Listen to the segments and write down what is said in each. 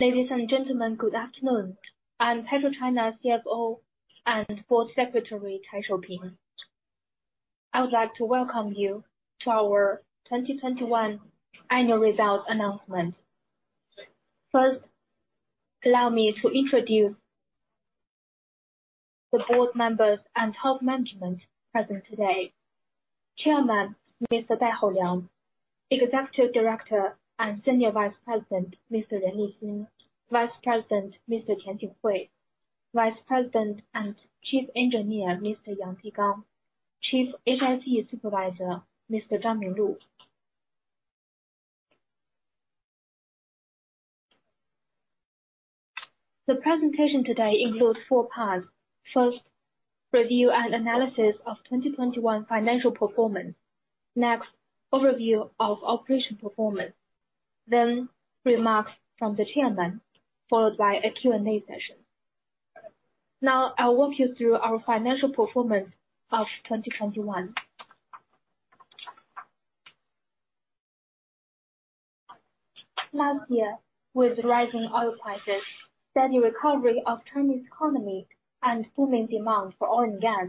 Ladies and gentlemen, good afternoon. I'm PetroChina CFO and Board Secretary, Chai Shouping. I would like to welcome you to our 2021 annual results announcement. First, allow me to introduce the board members and top management present today. Chairman, Mr. Dai Houliang. Executive Director and Senior Vice President, Mr. Ren Lixin. Vice President, Mr. Tian Jinghui. Vice President and Chief Engineer, Mr. Yang Jigang. Chief HSE Supervisor, Mr. Zhang Minglu. The presentation today includes four parts. First, review and analysis of 2021 financial performance. Next, overview of operation performance. Then remarks from the chairman, followed by a Q&A session. Now I'll walk you through our financial performance of 2021. Last year, with rising oil prices, steady recovery of Chinese economy, and booming demand for oil and gas,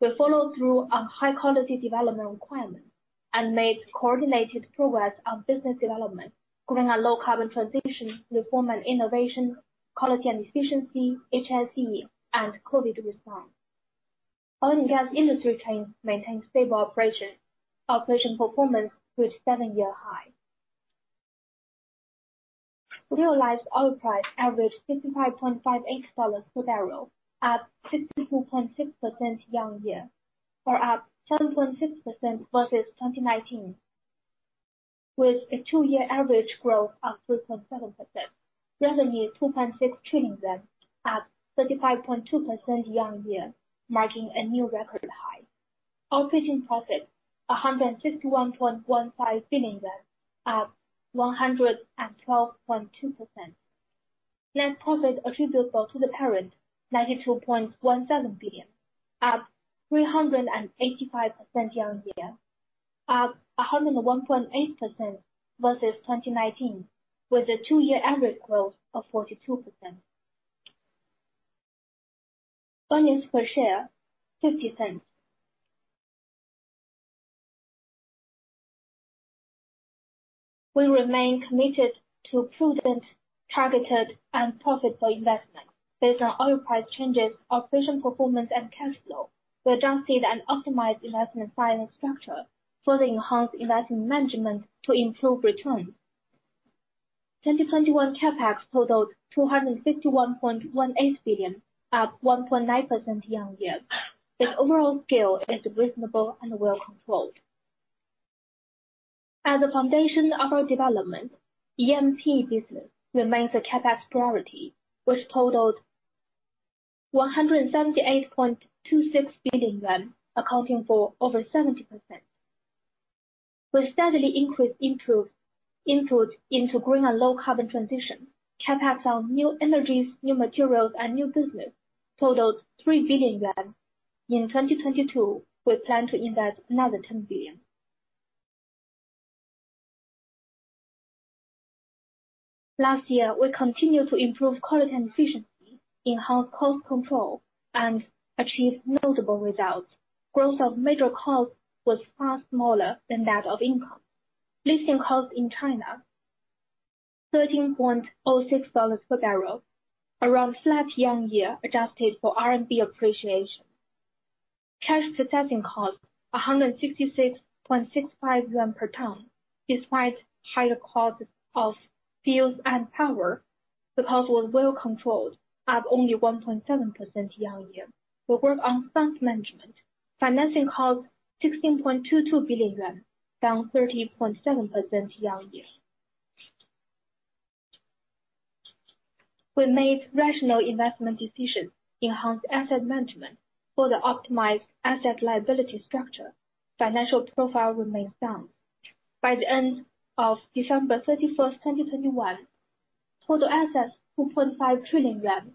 we followed through on high-quality development requirements and made coordinated progress on business development, including a low-carbon transition, reform and innovation, quality and efficiency, HSE and COVID response. Oil and gas industry chain maintains stable operation. Operation performance reached seven-year high. Realized oil price averaged $65.58 per barrel, up 62.6% year-on-year, or up 7.6% versus 2019, with a two-year average growth of 3.7%. Revenue, CNY 2.6 trillion, up 35.2% year-on-year, marking a new record high. Operating profit, CNY 151.15 billion, up 112.2%. Net profit attributable to the parent, 92.17 billion, up 385% year-on-year, up 101.8% versus 2019, with a two-year average growth of 42%. Earnings per share, 0.50 CNY. We remain committed to prudent, targeted, and profitable investment. Based on oil price changes, operation performance and cash flow, we adjusted and optimized investment planning structure, further enhanced investment management to improve returns. 2021 CapEx totaled 251.18 billion, up 1.9% year-on-year. The overall scale is reasonable and well controlled. As the foundation of our development, E&P business remains a CapEx priority, which totaled 178.26 billion yuan, accounting for over 70%. We steadily increased input into green and low-carbon transition. CapEx on new energies, new materials and new business totaled 3 billion yuan. In 2022, we plan to invest another 10 billion. Last year, we continued to improve quality and efficiency, enhanced cost control and achieved notable results. Growth of major costs was far smaller than that of income. Lifting cost in China, $13.06 per barrel, around flat year-on-year, adjusted for RMB appreciation. Cash processing cost, 166.65 yuan per ton. Despite higher costs of fuels and power, the cost was well controlled, up only 1.7% year-on-year. We worked on funds management. Financing cost, CNY 16.22 billion, down 13.7% year-on-year. We made rational investment decisions, enhanced asset management for the optimized asset liability structure. Financial profile remains sound. By the end of December 31st, 2021, total assets, 2.5 trillion yuan,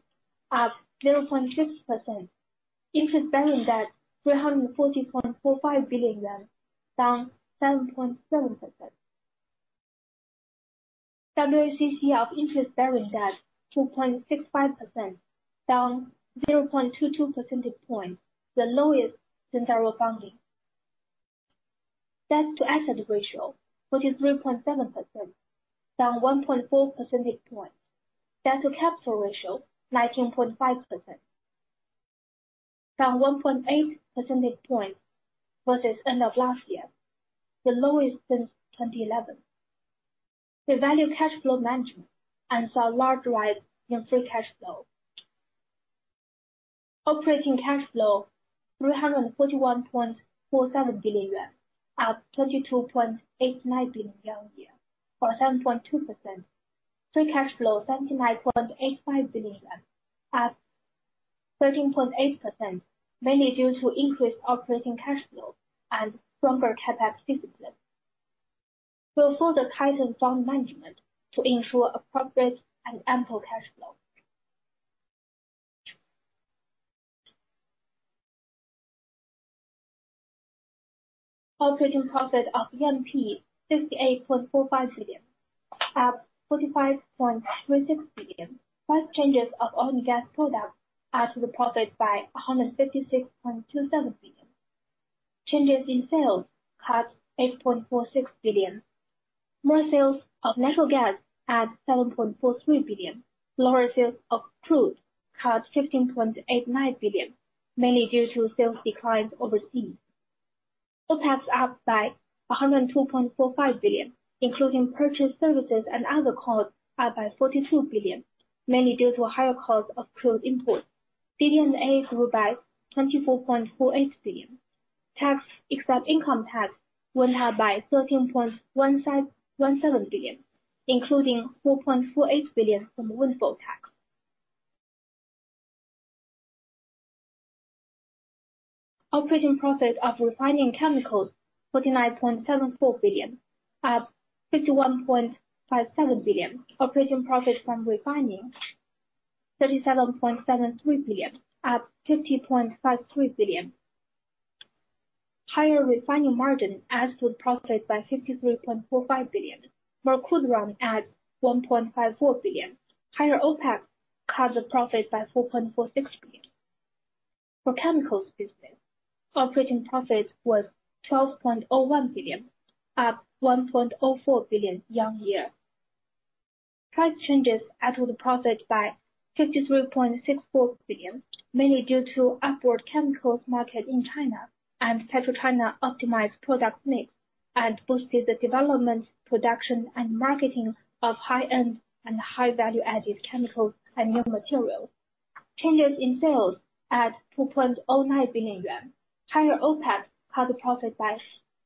up 0.6%. Interest-bearing debt, 340.45 billion yuan, down 7.7%. WACC of interest-bearing debt, 2.65%, down 0.22 percentage points, the lowest since our founding. Debt-to-asset ratio, 43.7%, down 1.4 percentage points. Debt-to-capital ratio, 19.5%, down 1.8 percentage points versus end of last year, the lowest since 2011. We value cash flow management and saw large rise in free cash flow. Operating cash flow, 341.47 billion yuan, up 22.89 billion yuan year-on-year, or 7.2%. Free cash flow, 79.85 billion yuan, up 13.8%, mainly due to increased operating cash flow and stronger CapEx discipline. We'll further tighten fund management to ensure appropriate and ample cash flow. Operating profit of E&P, 68.45 billion, up 45.36 billion. Price changes of oil and gas products add to the profit by 156.27 billion. Changes in sales up 8.46 billion. More sales of natural gas at 7.43 billion. Lower sales of crude cut 15.89 billion, mainly due to sales declines overseas. OPEX up by 102.45 billion, including purchase services and other costs up by 42 billion, mainly due to higher costs of crude imports. DD&A grew by 24.48 billion. Tax, except income tax, went up by 13.17 billion, including 4.48 billion from windfall tax. Operating profit of refining chemicals, 49.74 billion, up 51.57 billion. Operating profit from refining, 37.73 billion, up 50.53 billion. Higher refining margin adds to the profit by 53.45 billion, where crude run at 1.54 billion. Higher OPEX cut profit by 4.46 billion. For chemicals business, operating profit was 12.01 billion, up 1.04 billion year-on-year. Price changes add to the profit by 53.64 billion, mainly due to upward chemicals market in China and PetroChina optimized product mix, and boosted the development, production, and marketing of high-end and high value-added chemicals and new materials. Changes in sales at 2.09 billion yuan. Higher OPEX cut the profit by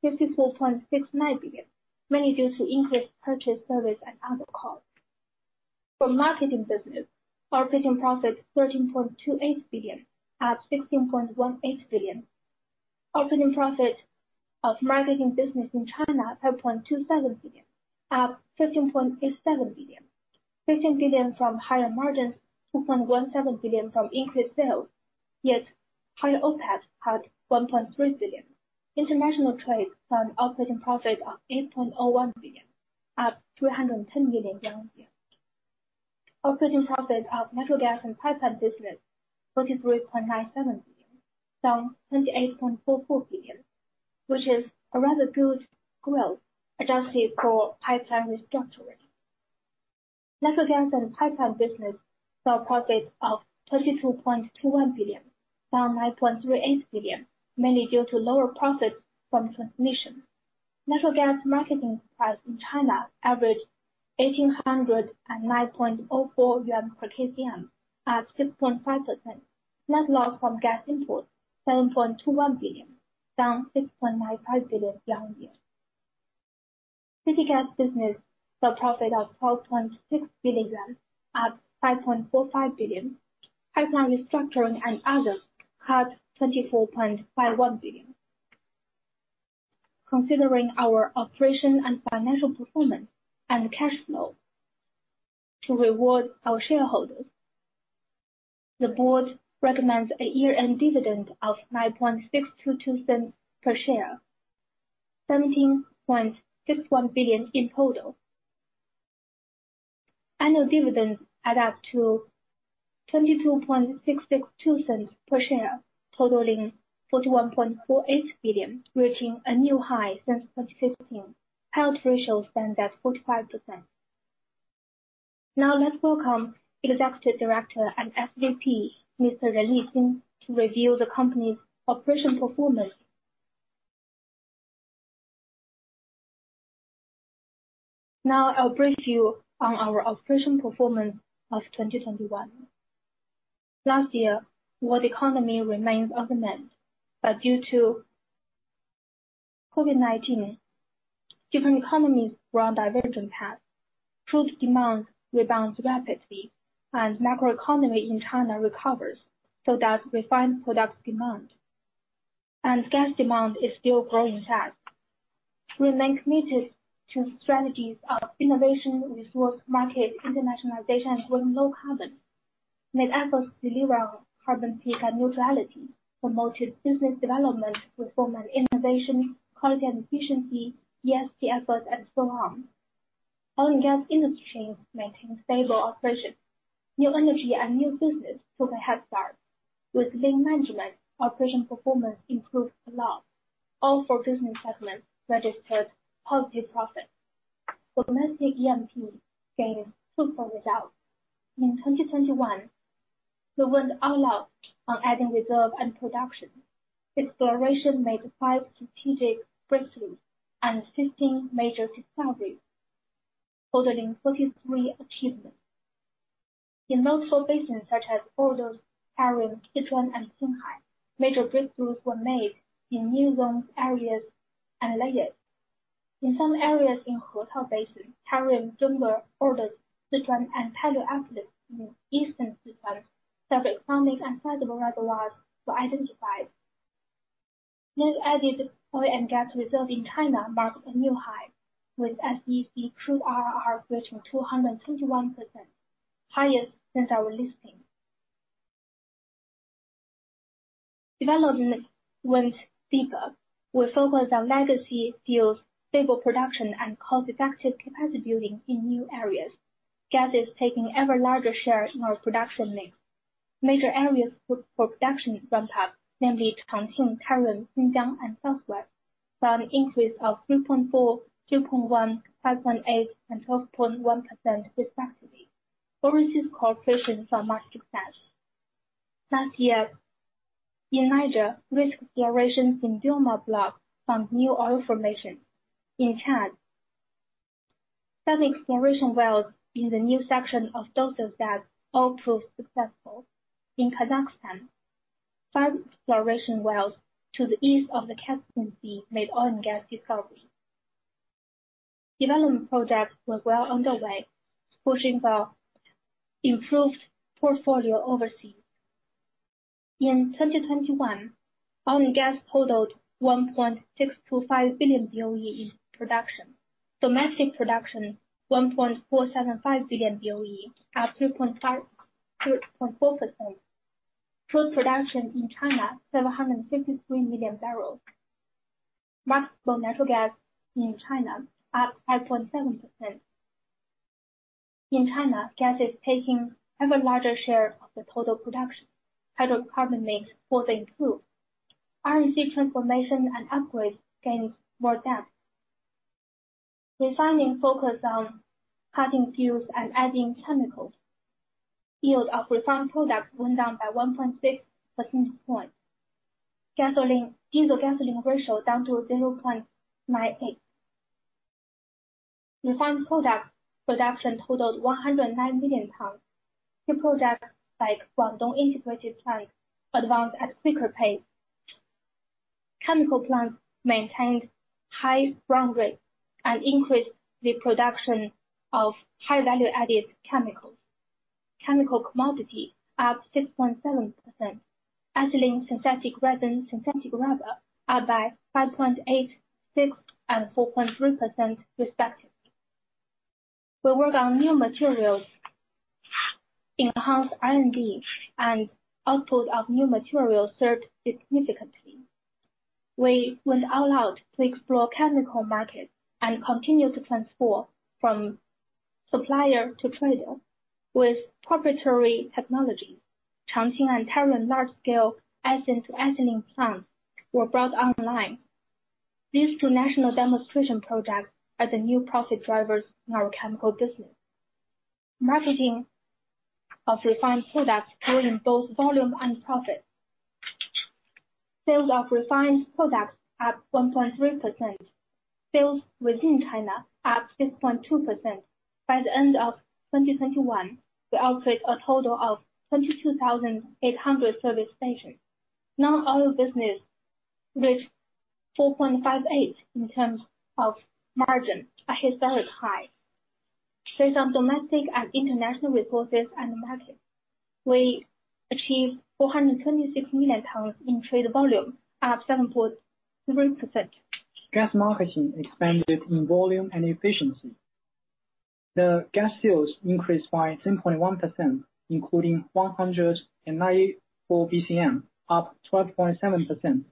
54.69 billion, mainly due to increased purchase service and other costs. For marketing business, operating profit 13.28 billion, up 16.18 billion. Operating profit of marketing business in China, 10.27 billion, up 15.87 billion. 15 billion from higher margins, 2.17 billion from increased sales, yet higher OPEX cut 1.3 billion. International trade saw an operating profit of 8.01 billion, up 310 million year on year. Operating profit of natural gas and pipeline business, 43.97 billion, down 28.44 billion, which is a rather good growth adjusted for pipeline restructuring. Natural gas and pipeline business saw a profit of 22.21 billion, down 9.38 billion, mainly due to lower profits from transmission. Natural gas marketing price in China averaged 1,809.04 yuan per KCM, up 6.5%. Net loss from gas imports, 7.21 billion, down 6.95 billion yuan year-on-year. City gas business saw a profit of 12.6 billion yuan, up 5.45 billion. Pipeline restructuring and other cut 24.51 billion. Considering our operation and financial performance and cash flow to reward our shareholders, the board recommends a year-end dividend of $0.09622 per share, 17.61 billion in total. Annual dividends add up to $0.22662 per share, totaling 41.48 billion, reaching a new high since 2015. Payout ratio stands at 45%. Now let's welcome Executive Director and SVP, Mr. Ren Lixin, to review the company's operational performance. Now, I'll brief you on our operational performance of 2021. Last year, world economy remains uneven, but due to COVID-19, different economies were on divergent path. Crude demand rebounds rapidly and macroeconomy in China recovers so does refined products demand, and gas demand is still growing fast. We remain committed to strategies of innovation, resource, market, internationalization and going low carbon. We made efforts to deliver on carbon peak and neutrality, promoted business development, reform and innovation, quality and efficiency, ESG efforts, and so on. Oil and gas industry maintained stable operation. New energy and new business took a head start. With lean management, operation performance improved a lot. All four business segments registered positive profit. Domestic EMP gained super results. In 2021, we went all out on adding reserve and production. Exploration made five strategic breakthroughs and 15 major discoveries, totaling 33 achievements. In those four basins such as Ordos, Tarim, Sichuan, and Qinghai, major breakthroughs were made in new zones, areas and layers. In some areas in Hetao Basin, Tarim, Junggar, Ordos, Sichuan, and Paleo-uplift in eastern Sichuan, self-economic and favorable rewards were identified. Net added oil and gas reserve in China marked a new high with SEC true RR reaching 221%, highest since our listing. Development went deeper. We focused on legacy fields, stable production and cost-effective capacity building in new areas. Gas is taking ever larger share in our production mix. Major areas with poor production ramp up, namely Chongqing, Tarim, Xinjiang and Southwest, saw an increase of 3.4, 2.1, 5.8 and 12.1% respectively. Overseas cooperation saw much success. Last year, in Niger, risk exploration in Birni N'Kon block found new oil formation. In Chad, seven exploration wells in the new section of Dosa Zervé all proved successful. In Kazakhstan, five exploration wells to the east of the Kashagan field made oil and gas discovery. Development projects were well underway, pushing for improved portfolio overseas. In 2021, oil and gas totaled 1.625 billion BOE in production. Domestic production 1.475 billion BOE, up 3.4%. Crude production in China, 753 million bbl. Market for natural gas in China up 5.7%. In China, gas is taking ever larger share of the total production. Hydrocarbon mix further improved. R&C transformation and upgrades gain more depth. Refining focused on cutting fuels and adding chemicals. Yield of refined products went down by 1.6 percentage point. Gasoline-diesel ratio down to 0.98. Refined product production totaled 109 million tons. New projects like Guangdong Integrated Plant advanced at quicker pace. Chemical plants maintained high run rate and increased the production of high value-added chemicals. Chemical commodity up 6.7%. Ethylene, synthetic resin, synthetic rubber up by 5.8%, 6%, and 4.3% respectively. We work on new materials, enhanced R&D and output of new materials soared significantly. We went all out to explore chemical markets and continue to transform from supplier to trader. With proprietary technology, Chongqing and Tarim large-scale ethane to ethylene plants were brought online. These two national demonstration projects are the new profit drivers in our chemical business. Marketing of refined products grew in both volume and profit. Sales of refined products up 1.3%. Sales within China up 6.2%. By the end of 2021, we operate a total of 22,800 service stations. Non-oil business reached 4.58 in terms of margin, a historic high. Trade on domestic and international resources and market, we achieved 426 million tons in trade volume, up 7.0%. Gas marketing expanded in volume and efficiency. The gas sales increased by 10.1%, including 194 BCM, up 12.7%.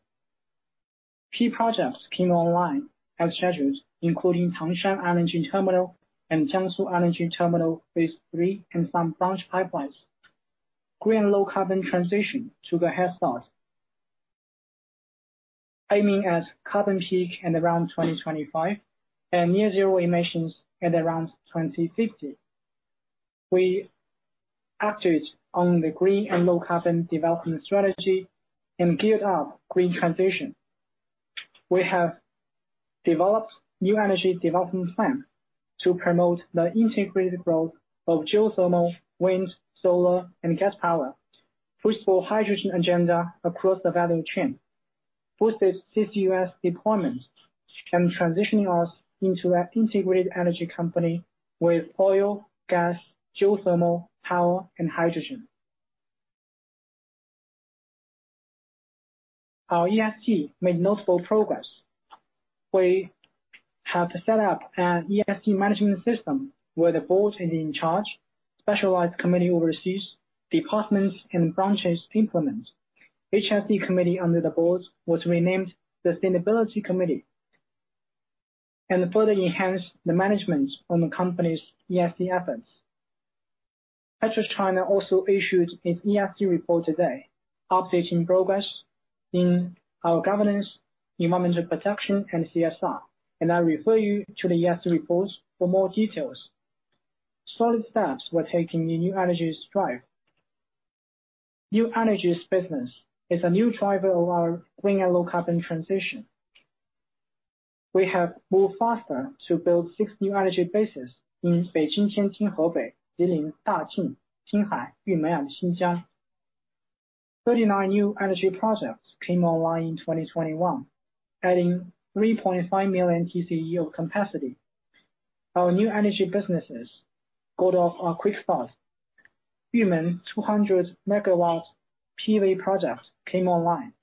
Key projects came online as scheduled, including Tangshan LNG Terminal and Jiangsu LNG Terminal phase three, and some branch pipelines. Green low-carbon transition got a head start, aiming at carbon peak at around 2025 and near zero emissions at around 2050. We acted on the green and low-carbon development strategy and geared up green transition. We have developed new energy development plan to promote the integrated growth of geothermal, wind, solar and gas power. Pushed for hydrogen agenda across the value chain. Pushed the CCUS deployments and transitioning us into an integrated energy company with oil, gas, geothermal, power and hydrogen. Our ESG made notable progress. We have set up an ESG management system where the board is in charge, specialized committee oversees, departments and branches implement. HSE committee under the board was renamed Sustainability Committee, and further enhance the management on the company's ESG efforts. PetroChina also issued its ESG report today, updating progress in our governance, environmental protection and CSR, and I refer you to the ESG reports for more details. Solid steps were taken in new energy drive. New energies business is a new driver of our green and low-carbon transition. We have moved faster to build six new energy bases in Beijing, Tianjin, Hebei, Jilin, Daqing, Qinghai, Yunmeng and Xinjiang. 39 new energy projects came online in 2021, adding 3.5 million TCE capacity. Our new energy businesses got off to a quick start. Yunmeng 200 MW PV projects came online.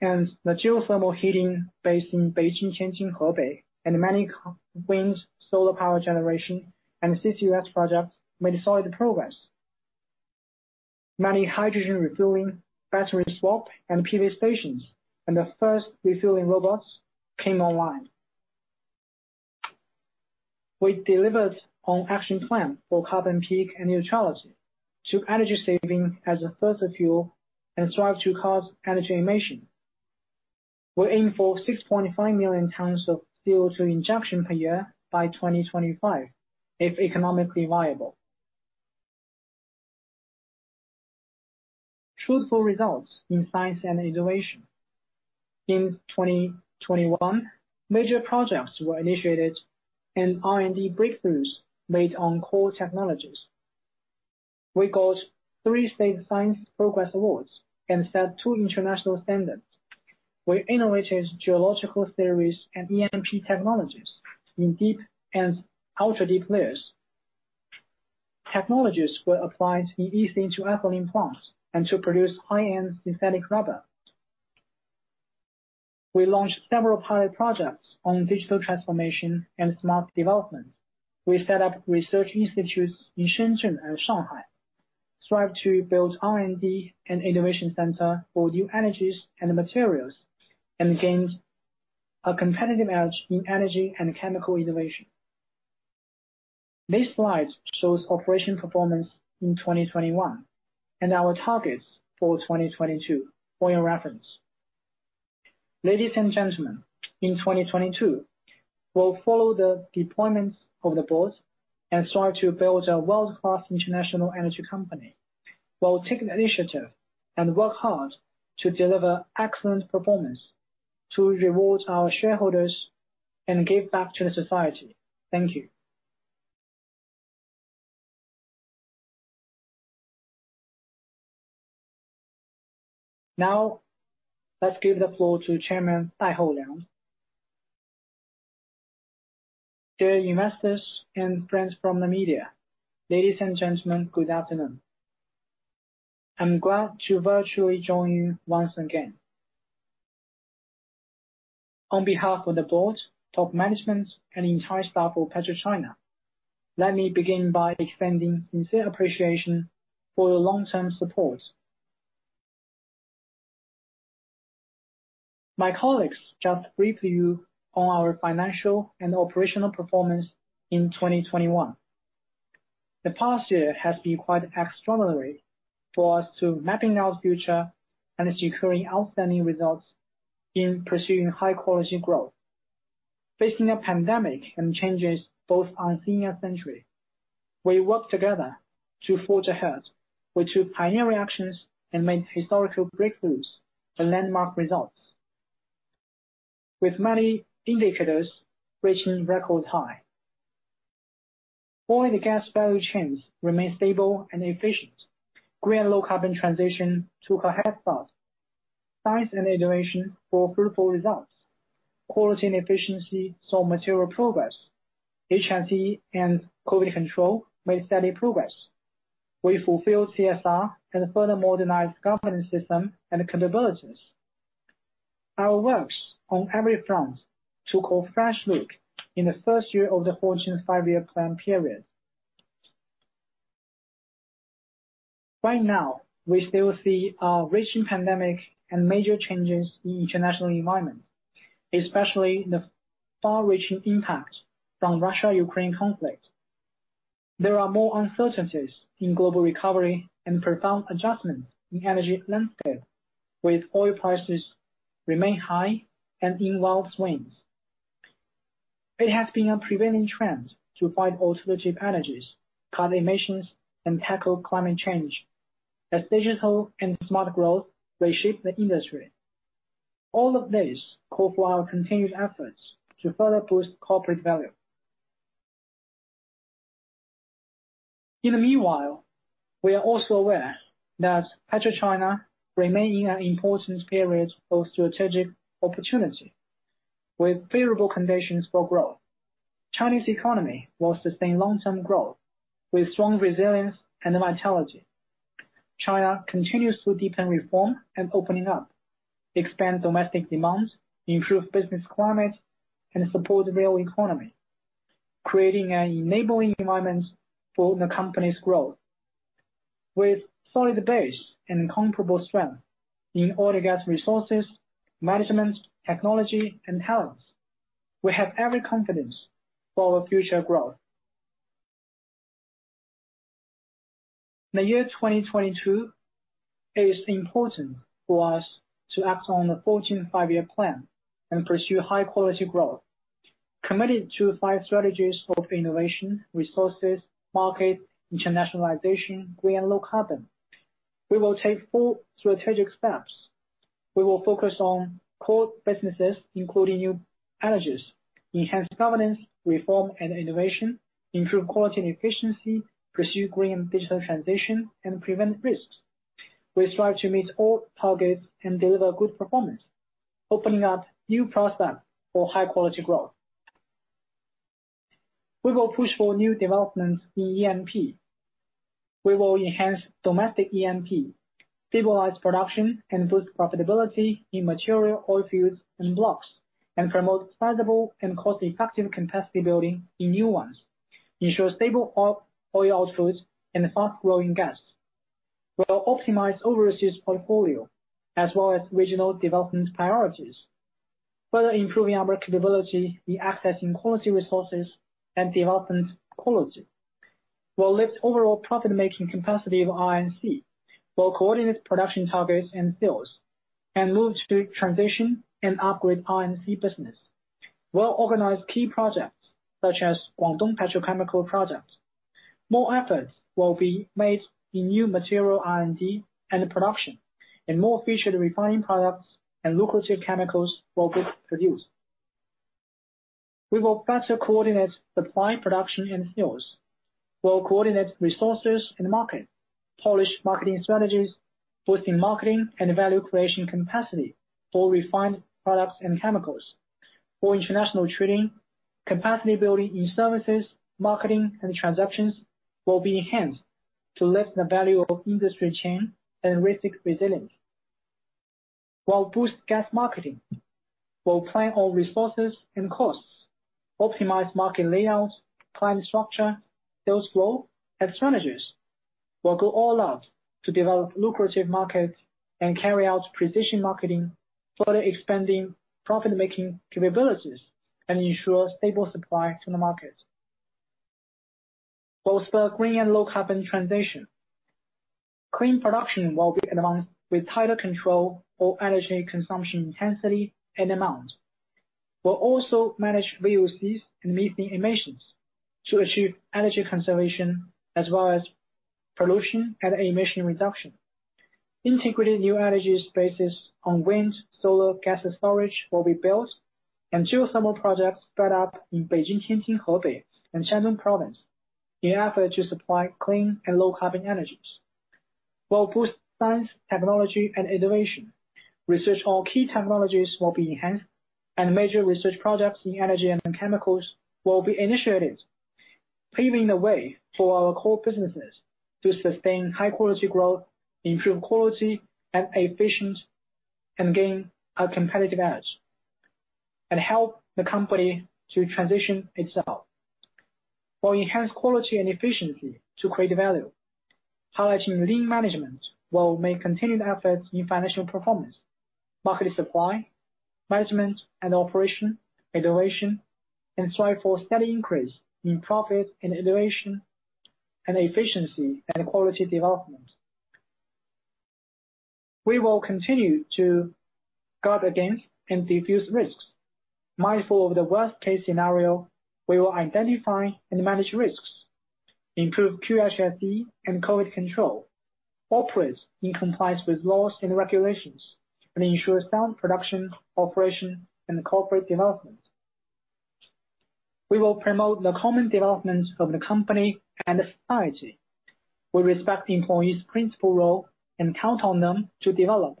The geothermal heating based in Beijing, Tianjin, Hebei, and many wind, solar power generation and CCUS projects made solid progress. Many hydrogen refueling, battery swap and PV stations, and the first refueling robots came online. We delivered on action plan for carbon peak and neutrality to energy saving as the first fuel, and strive to reduce energy emissions. We're aiming for 6.5 million tons of CO2 injection per year by 2025, if economically viable. Fruitful results in science and innovation. In 2021, major projects were initiated and R&D breakthroughs made on core technologies. We got three State Science Progress Awards and set two international standards. We innovated geological theories and E&P technologies in deep and ultra-deep layers. Technologies were applied in ethane-to-ethylene plants and to produce high-end synthetic rubber. We launched several pilot projects on digital transformation and smart development. We set up research institutes in Shenzhen and Shanghai, strive to build R&D and innovation center for new energies and materials, and gained a competitive edge in energy and chemical innovation. This slide shows operation performance in 2021, and our targets for 2022 for your reference. Ladies and gentlemen, in 2022, we'll follow the deployments of the board and start to build a world-class international energy company. We'll take initiative and work hard to deliver excellent performance to reward our shareholders and give back to the society. Thank you. Now, let's give the floor to Chairman Dai Houliang. Dear investors and friends from the media, ladies and gentlemen, good afternoon. I'm glad to virtually join you once again. On behalf of the board, top management, and entire staff of PetroChina, let me begin by extending sincere appreciation for your long-term support. My colleagues just briefed you on our financial and operational performance in 2021. The past year has been quite extraordinary for us in mapping our future and securing outstanding results in pursuing high-quality growth. Facing a pandemic and changes both unseen in a century, we worked together to forge ahead. We took pioneer reactions and made historical breakthroughs and landmark results, with many indicators reaching record high. Oil and gas value chains remain stable and efficient. Green and low-carbon transition took a head start. Science and innovation bore fruitful results. Quality and efficiency saw material progress. HSE and COVID control made steady progress. We fulfilled CSR and further modernized governance system and capabilities. Our works on every front took a fresh look in the first year of the 14th Five-Year Plan period. Right now, we still see a raging pandemic and major changes in international environment, especially the far-reaching impact from Russia-Ukraine conflict. There are more uncertainties in global recovery and profound adjustments in energy landscape, with oil prices remain high and in wild swings. It has been a prevailing trend to find alternative energies, cut emissions, and tackle climate change as digital and smart growth reshape the industry. All of this call for our continued efforts to further boost corporate value. In the meanwhile, we are also aware that PetroChina remain in an important period of strategic opportunity with favorable conditions for growth. Chinese economy will sustain long-term growth with strong resilience and vitality. China continues to deepen reform and opening up, expand domestic demands, improve business climate, and support real economy, creating an enabling environment for the company's growth. With solid base and comparable strength in oil and gas resources, management, technology, and talents, we have every confidence for our future growth. The year 2022 is important for us to act on the 14th Five-Year Plan and pursue high-quality growth. Committed to five strategies of innovation, resources, market, internationalization, green and low carbon, we will take full strategic steps. We will focus on core businesses, including new energies, enhance governance, reform and innovation, improve quality and efficiency, pursue green and digital transition, and prevent risks. We strive to meet all targets and deliver good performance, opening up new prospects for high-quality growth. We will push for new developments in E&P. We will enhance domestic E&P, stabilize production, and boost profitability in mature oil fields and blocks, and promote sizable and cost-effective capacity building in new ones, ensure stable crude oil outputs, and fast-growing gas. We'll optimize overseas portfolio as well as regional development priorities, further improving our capability in accessing quality resources and development quality. We'll lift overall profit-making capacity of R&C. We'll coordinate production targets and sales, and move to transition and upgrade R&C business. We'll organize key projects such as Guangdong Petrochemical Project. More efforts will be made in new material R&D and production, and more efficient refining products and lucrative chemicals will be produced. We will better coordinate supply, production and sales. We'll coordinate resources and market, polish marketing strategies, boosting marketing and value creation capacity for refined products and chemicals. For international trading, capacity building in services, marketing and transactions will be enhanced to lift the value of industry chain and risk resilience. We'll boost gas marketing. We'll plan all resources and costs, optimize market layouts, client structure, sales flow and strategies. We'll go all out to develop lucrative markets and carry out precision marketing, further expanding profit-making capabilities and ensure stable supply to the market. Both the green and low-carbon transition, clean production will be enhanced with tighter control for energy consumption intensity and amount. We'll also manage VOCs and methane emissions to achieve energy conservation as well as pollution and emission reduction. Integrated new energy spaces on wind, solar, gas and storage will be built and geothermal projects spread out in Beijing, Tianjin, Hebei and Shandong Province in effort to supply clean and low-carbon energies. We'll boost science, technology and innovation. Research on key technologies will be enhanced and major research projects in energy and chemicals will be initiated, paving the way for our core businesses to sustain high quality growth, improve quality and efficiency, and gain a competitive edge and help the company to transition itself. We'll enhance quality and efficiency to create value. Highlighting lean management, we'll make continued efforts in financial performance, market supply, management and operation, innovation, and strive for steady increase in profit and innovation and efficiency and quality development. We will continue to guard against and defuse risks. Mindful of the worst-case scenario, we will identify and manage risks, improve QHSE and COVID control, operate in compliance with laws and regulations, and ensure sound production, operation, and corporate development. We will promote the common development of the company and society. We respect the employees' principal role and count on them to develop.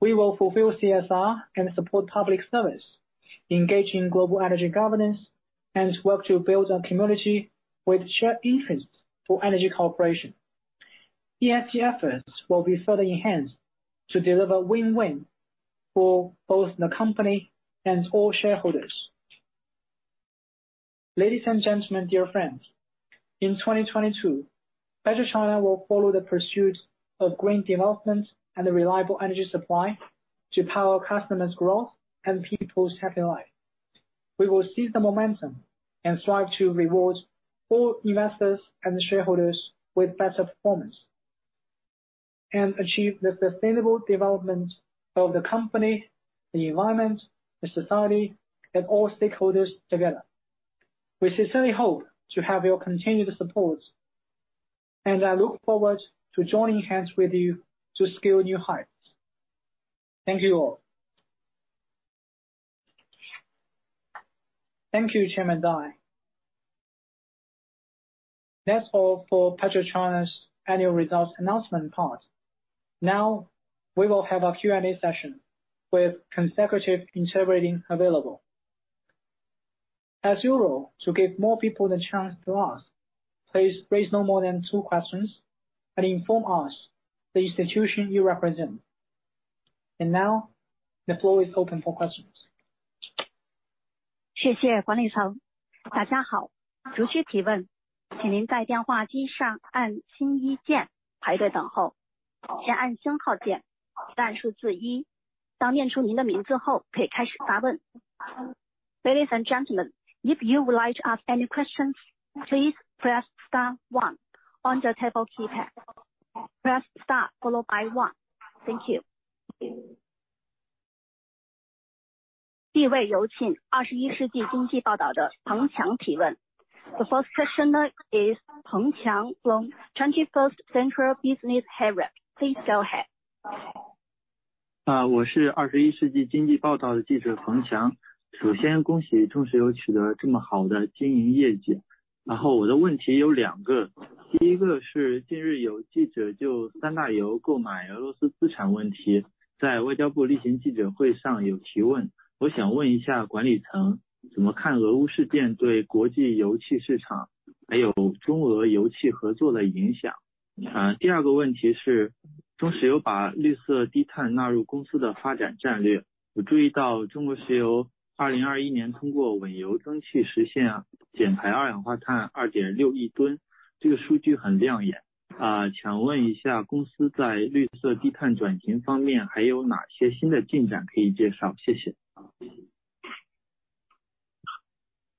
We will fulfill CSR and support public service, engage in global energy governance, and work to build a community with shared interests for energy cooperation. ESG efforts will be further enhanced to deliver win-win for both the company and all shareholders. Ladies and gentlemen, dear friends, in 2022, PetroChina will follow the pursuit of green development and a reliable energy supply to power customers' growth and people's happy life. We will seize the momentum and strive to reward all investors and shareholders with better performance and achieve the sustainable development of the company, the environment, the society, and all stakeholders together. We sincerely hope to have your continued support and I look forward to joining hands with you to scale new heights. Thank you all. Thank you, Chairman Dai. That's all for PetroChina's annual results announcement part. Now we will have a Q&A session with consecutive interpreting available. As usual, to give more people the chance to ask, please raise no more than two questions and inform us the institution you represent. Now the floor is open for questions. Ladies and gentlemen, if you would like to ask any questions, please press star one on the telephone keypad. Press star followed by one. Thank you. The first question is Peng Qiang from 21st Century Business Herald. Please go ahead. Uh,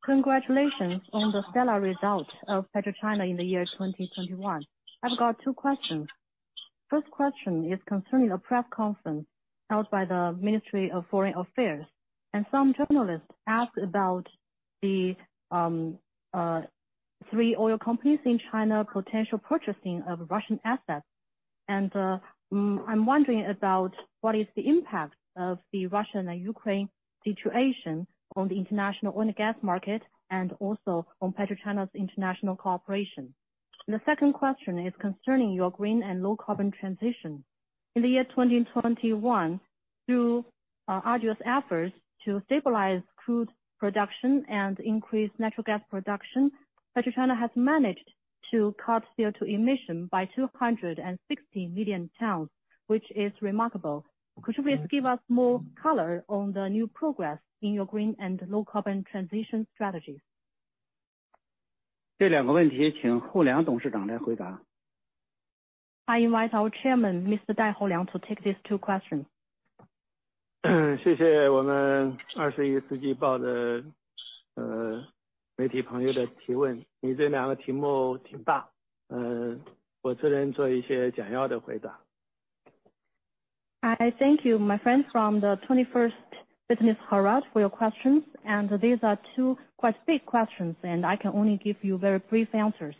Congratulations on the stellar results of PetroChina in the year 2021. I've got two questions. First question is concerning a press conference held by the Ministry of Foreign Affairs, and some journalists asked about the three oil companies in China potential purchasing of Russian assets. I'm wondering about what is the impact of the Russia and Ukraine situation on the international oil and gas market, and also on PetroChina's international cooperation. The second question is concerning your green and low carbon transition. In the year 2021, through arduous efforts to stabilize crude production and increase natural gas production, PetroChina has managed to cut CO2 emissions by 260 million tons, which is remarkable. Could you please give us more color on the new progress in your green and low carbon transition strategies? 这两个问题请戴厚良董事长来回答。I invite our Chairman, Mr. Dai Houliang, to take these two questions. 谢谢我们21世纪报的媒体朋友的提问，你这两个题目挺大，我只能做一些简要的回答。I thank you, my friend from the 21st Century Business Herald, for your questions. These are two quite big questions and I can only give you very brief answers.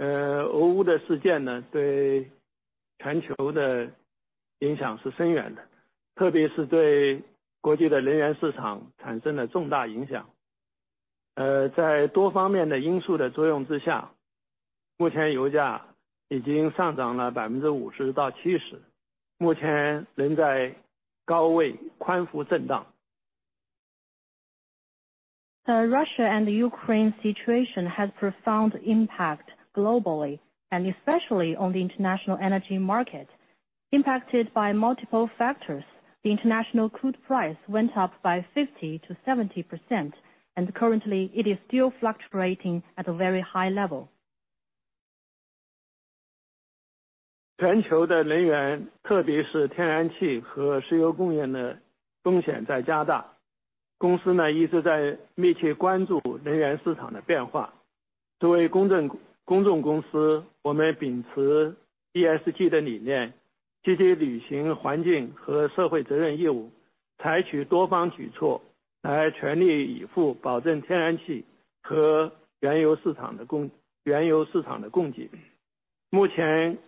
俄乌的事件对全球的影响是深远的，特别是对国际的能源市场产生了重大影响。在多方面的因素的作用之下，目前油价已经上涨了50%到70%，目前仍在高位宽幅震荡。The Russia and Ukraine situation has profound impact globally and especially on the international energy market. Impacted by multiple factors, the international crude price went up by 50%-70%, and currently it is still fluctuating at a very high level. The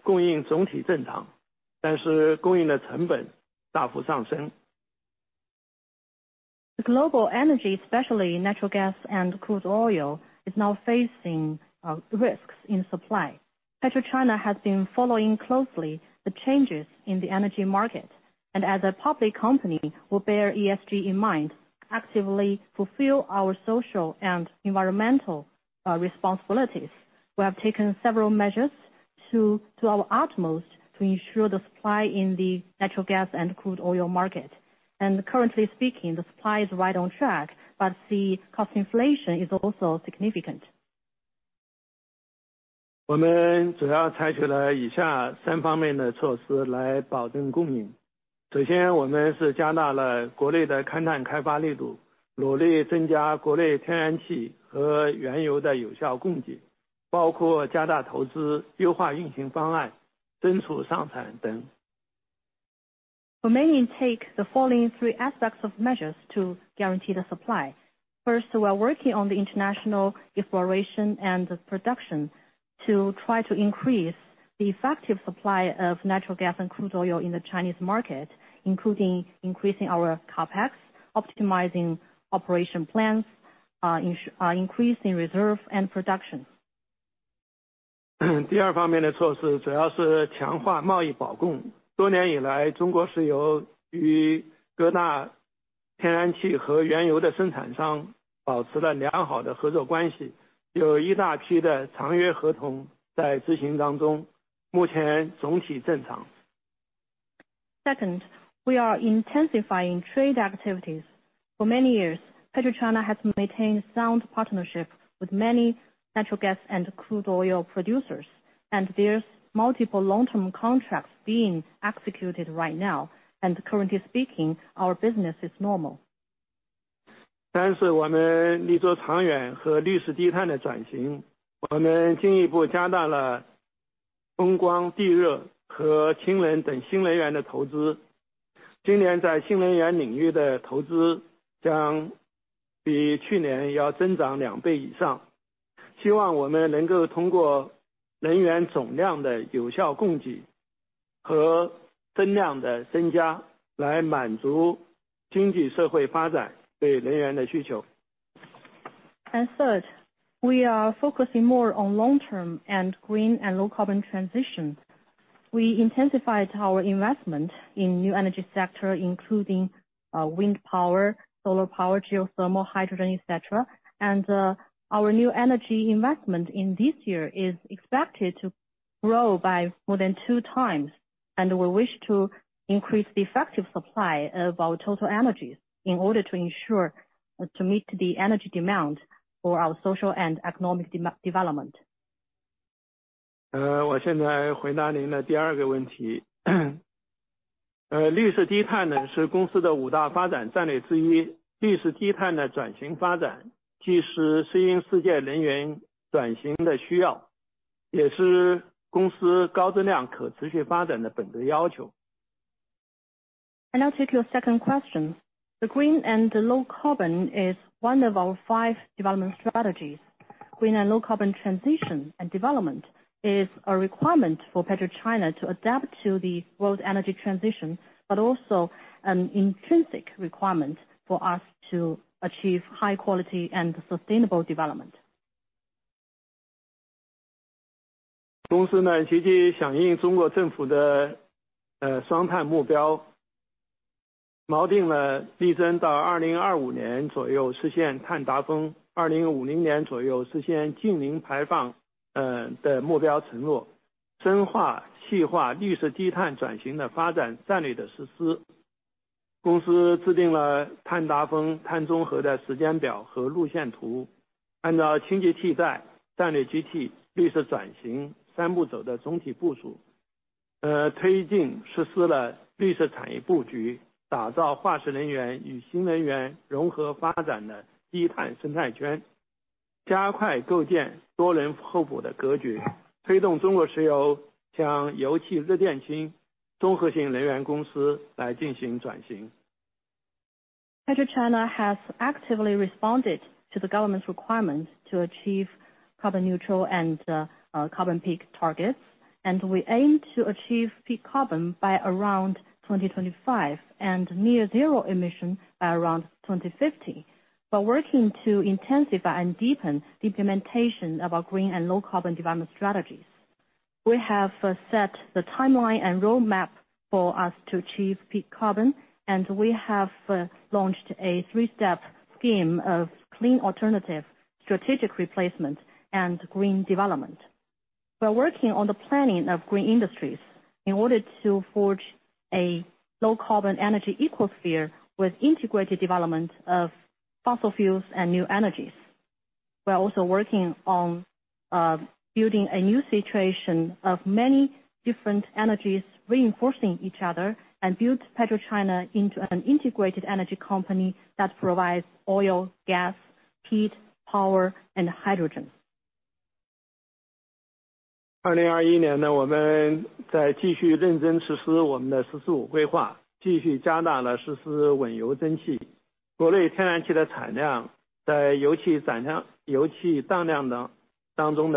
global energy, especially natural gas and crude oil, is now facing risks in supply. PetroChina has been following closely the changes in the energy market, and as a public company, will bear ESG in mind actively fulfill our social and environmental responsibilities. We have taken several measures to our utmost to ensure the supply in the natural gas and crude oil market. Currently speaking, the supply is right on track, but the cost inflation is also significant. 我们主要采取了以下三方面的措施来保证供应。首先我们是加大了国内的勘探开发力度，努力增加国内天然气和原油的有效供给，包括加大投资、优化运行方案、增储上产等。We mainly take the following three aspects of measures to guarantee the supply. First, we are working on the international exploration and production to try to increase the effective supply of natural gas and crude oil in the Chinese market, including increasing our CapEx, optimizing operation plans, increasing reserve and production. 第二方面的措施主要是强化贸易保供。多年以来，中国石油与各大天然气和原油的生产商保持了良好的合作关系，有一大批的长约合同在执行当中，目前总体正常。Second, we are intensifying trade activities. For many years, PetroChina has maintained sound partnership with many natural gas and crude oil producers. There's multiple long term contracts being executed right now. Currently speaking, our business is normal. 但是我们立足长远和绿色低碳的转型，我们进一步加大了风光、地热和氢能等新能源的投资。今年在新能源领域的投资将比去年要增长两倍以上。希望我们能够通过能源总量的有效供给和增量的增加来满足经济社会发展对能源的需求。Third, we are focusing more on long term and green and low carbon transition. We intensified our investment in new energy sector, including wind power, solar power, geothermal, hydrogen, etc. Our new energy investment in this year is expected to grow by more than two times, and we wish to increase the effective supply of our total energies in order to ensure to meet the energy demand for our social and economic development. 现在回答您的第二个问题。绿色低碳是公司的五大发展战略之一。绿色低碳的转型发展，其实适应世界能源转型的需要，也是公司高质量可持续发展的本质要求。I'll take your second question. The green and low carbon is one of our five development strategies. Green and low carbon transition and development is a requirement for PetroChina to adapt to the world's energy transition, but also an intrinsic requirement for us to achieve high quality and sustainable development. PetroChina has actively responded to the government's requirement to achieve carbon neutral and carbon peak targets, and we aim to achieve peak carbon by around 2025 and near zero emissions by around 2050. We are working to intensify and deepen the implementation of our green and low carbon development strategies. We have set the timeline and roadmap for us to achieve peak carbon, and we have launched a three step scheme of clean alternative, strategic replacement and green development. We are working on the planning of green industries in order to forge a low carbon energy ecosphere with integrated development of fossil fuels and new energies. We are also working on building a new situation of many different energies, reinforcing each other, and build PetroChina into an integrated energy company that provides oil, gas, heat, power and hydrogen. 2021年，我们在继续认真实施我们的十四五规划，继续加大了实施稳油增气，国内天然气的产量，在油气产量、油气当量当中的比例进一步提升到51.6%。全年国内销售天然气达到了1,946亿立方米，相当于替代了2.59亿吨的标煤，减排二氧化碳约2.6亿吨。In the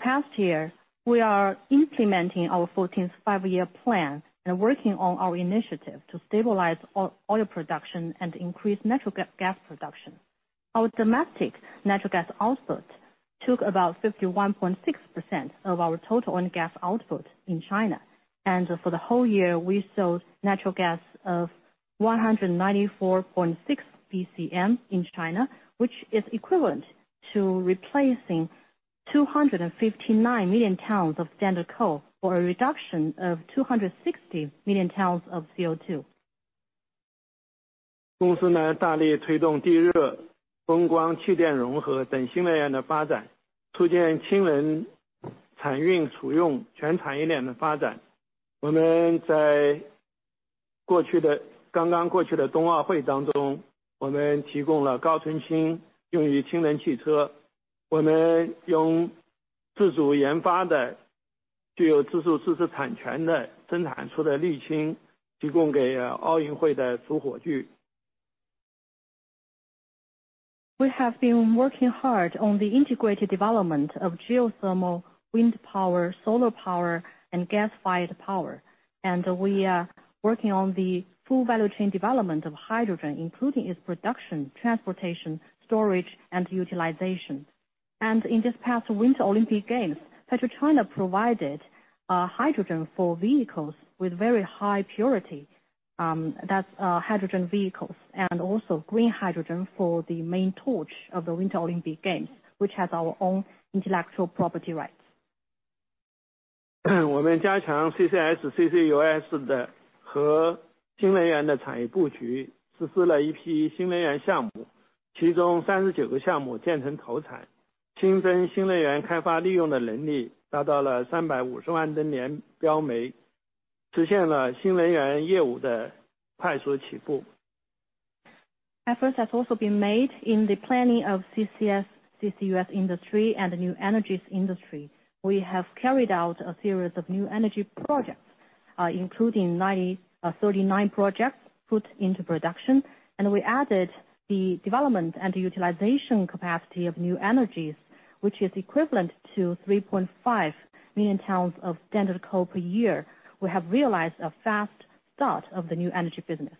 past year, we are implementing our fourteenth five-year plan and working on our initiative to stabilize oil production and increase natural gas production. Our domestic natural gas output took about 51.6% of our total oil and gas output in China. For the whole year, we sold natural gas of 194.6 BCM in China, which is equivalent to replacing 259 million tons of standard coal for a reduction of 260 million tons of CO2. 公司呢，大力推动地热、风光、气电融合等新能源的发展，促进氢能产运储用全产业链的发展。我们在过去的，刚刚过去的冬奥会当中，我们提供了高纯氢用于氢能汽车。我们用自主研发的具有自主知识产权的生产出的氯氢提供给奥运会的主火炬。We have been working hard on the integrated development of geothermal, wind power, solar power and gas-fired power, and we are working on the full value chain development of hydrogen, including its production, transportation, storage and utilization. In this past Winter Olympic Games, PetroChina provided hydrogen for vehicles with very high purity, that's hydrogen vehicles and also green hydrogen for the main torch of the Winter Olympic Games, which has our own intellectual property rights. 我们加强CCS、CCUS和新能源的产业布局，实施了一批新能源项目，其中三十九个项目建成投产，新增新能源开发利用的能力达到了350万吨/年标煤，实现了新能源业务的快速起步。Efforts have also been made in the planning of CCS, CCUS industry and the new energies industry. We have carried out a series of new energy projects, including 39 projects put into production, and we added the development and utilization capacity of new energies, which is equivalent to 3.5 million tons of standard coal per year. We have realized a fast start of the new energy business.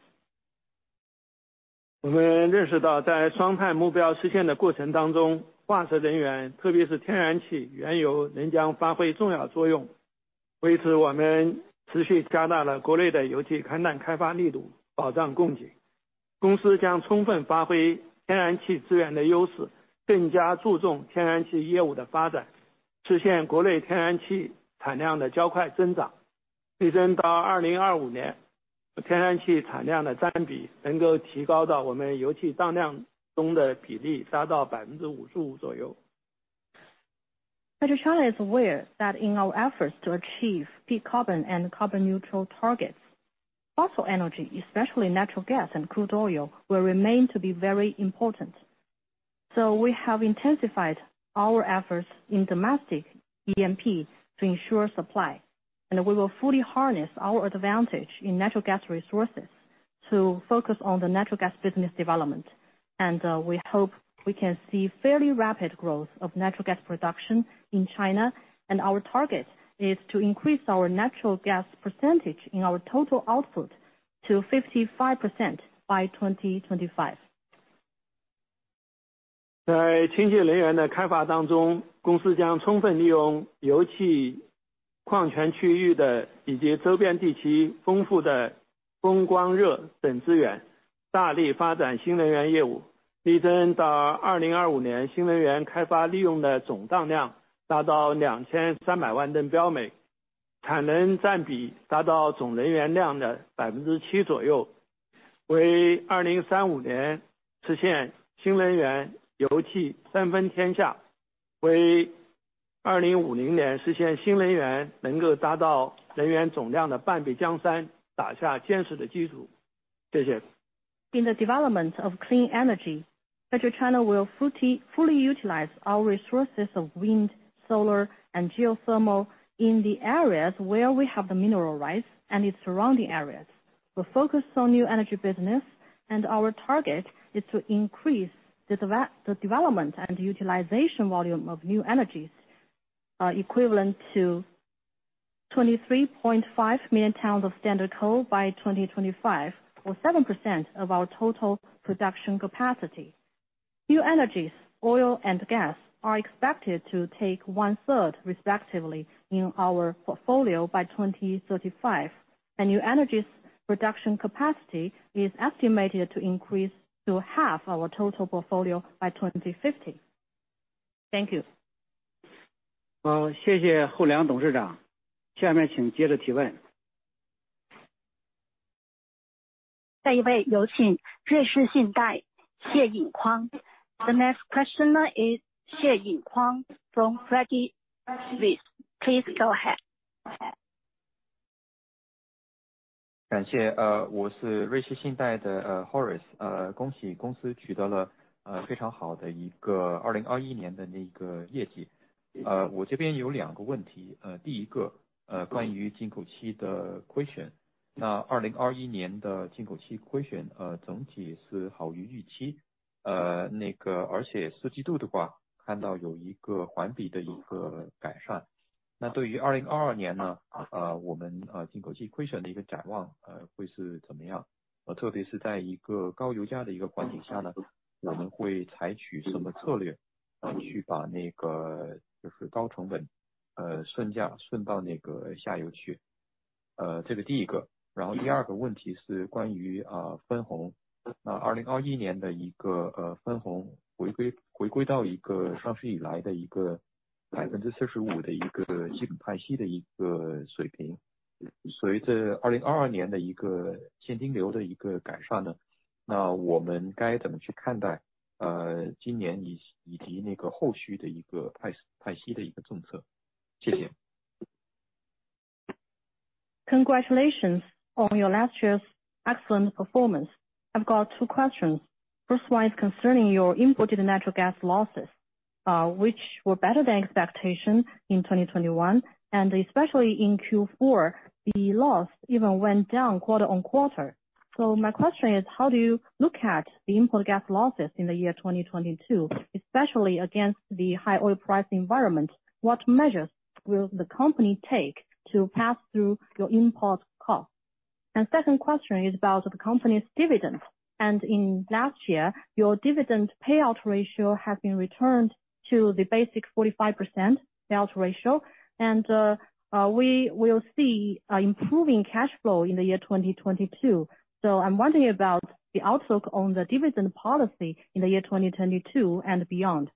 我们认识到在双碳目标实现的过程当中，化石能源，特别是天然气、原油，仍将发挥重要作用。为此，我们持续加大了国内的油气勘探开发力度，保障供给。公司将充分发挥天然气资源的优势，更加注重天然气业务的发展，实现国内天然气产量的较快增长。力争到2025年，天然气产量的占比能够提高到我们油气当量中的比例达到55%左右。PetroChina is aware that in our efforts to achieve peak carbon and carbon neutral targets, fossil energy, especially natural gas and crude oil, will remain to be very important. We have intensified our efforts in domestic E&P to ensure supply, and we will fully harness our advantage in natural gas resources to focus on the natural gas business development. We hope we can see fairly rapid growth of natural gas production in China. Our target is to increase our natural gas percentage in our total output to 55% by 2025. In the development of clean energy, PetroChina will fully utilize our resources of wind, solar and geothermal in the areas where we have the mineral rights and its surrounding areas. We focus on new energy business, and our target is to increase the development and utilization volume of new energies, equivalent to 23.5 million tons of standard coal by 2025, or 7% of our total production capacity. New energies, oil and gas are expected to take one-third respectively in our portfolio by 2035, and new energies production capacity is estimated to increase to half our total portfolio by 2050. Thank you. 谢谢戴厚良董事长。下面请接着提问。下一位有请瑞士信贷谢尹匡。The next questioner is Horace Tse from Credit Suisse. Please go ahead. 我是瑞士信贷的Horace。恭喜公司取得了非常好的2021年的业绩。谢谢。Congratulations on your last year's excellent performance. I've got two questions. First one is concerning your imported natural gas losses, which were better than expectations in 2021, and especially in Q4, the loss even went down quarter-over-quarter. My question is, how do you look at the import gas losses in the year 2022, especially against the high oil price environment? What measures will the company take to pass through your import costs? Second question is about the company's dividends. In last year your dividend payout ratio has been returned to the basic 45% payout ratio. We will see improving cash flow in the year 2022. I'm wondering about the outlook on the dividend policy in the year 2022 and beyond.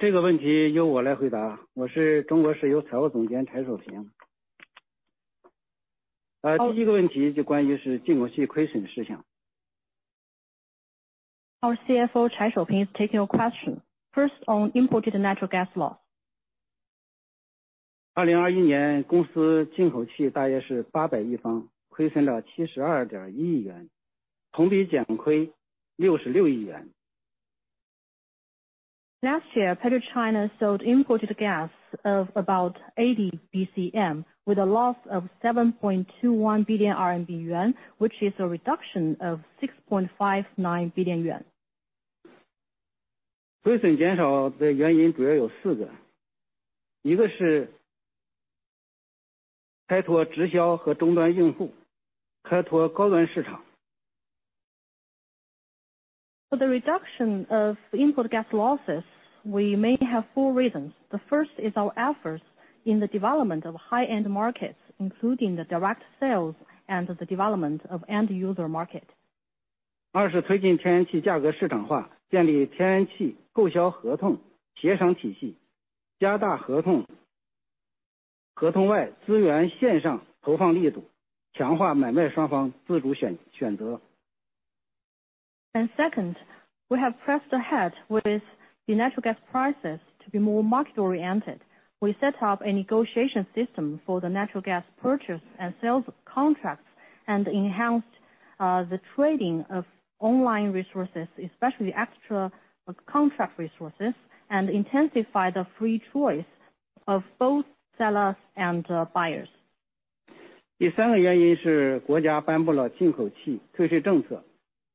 这个问题由我来回答，我是中国石油财务总监柴守平。第一个问题就关于进口气亏损的事情。Our CFO Chai Shouping is taking your question. First on imported natural gas loss. 2021年公司进口气大约是800亿方，亏损了72.1亿元，同比减亏66亿元。Last year, PetroChina sold imported gas of about 80 BCM with a loss of 7.21 billion yuan, which is a reduction of 6.59 billion yuan. 亏损减少的原因主要有四个。一个是开拓直销和终端用户，开拓高端市场。For the reduction of import gas losses, we may have four reasons. The first is our efforts in the development of high-end markets, including the direct sales and the development of end user market. 二是推进天然气价格市场化，建立天然气购销合同协商体系，加大合同、合同外资源线上投放力度，强化买卖双方自主选择。Second, we have pressed ahead with the natural gas prices to be more market-oriented. We set up a negotiation system for the natural gas purchase and sales contracts and enhanced the trading of online resources, especially extra contract resources, and intensified the free choice of both sellers and buyers.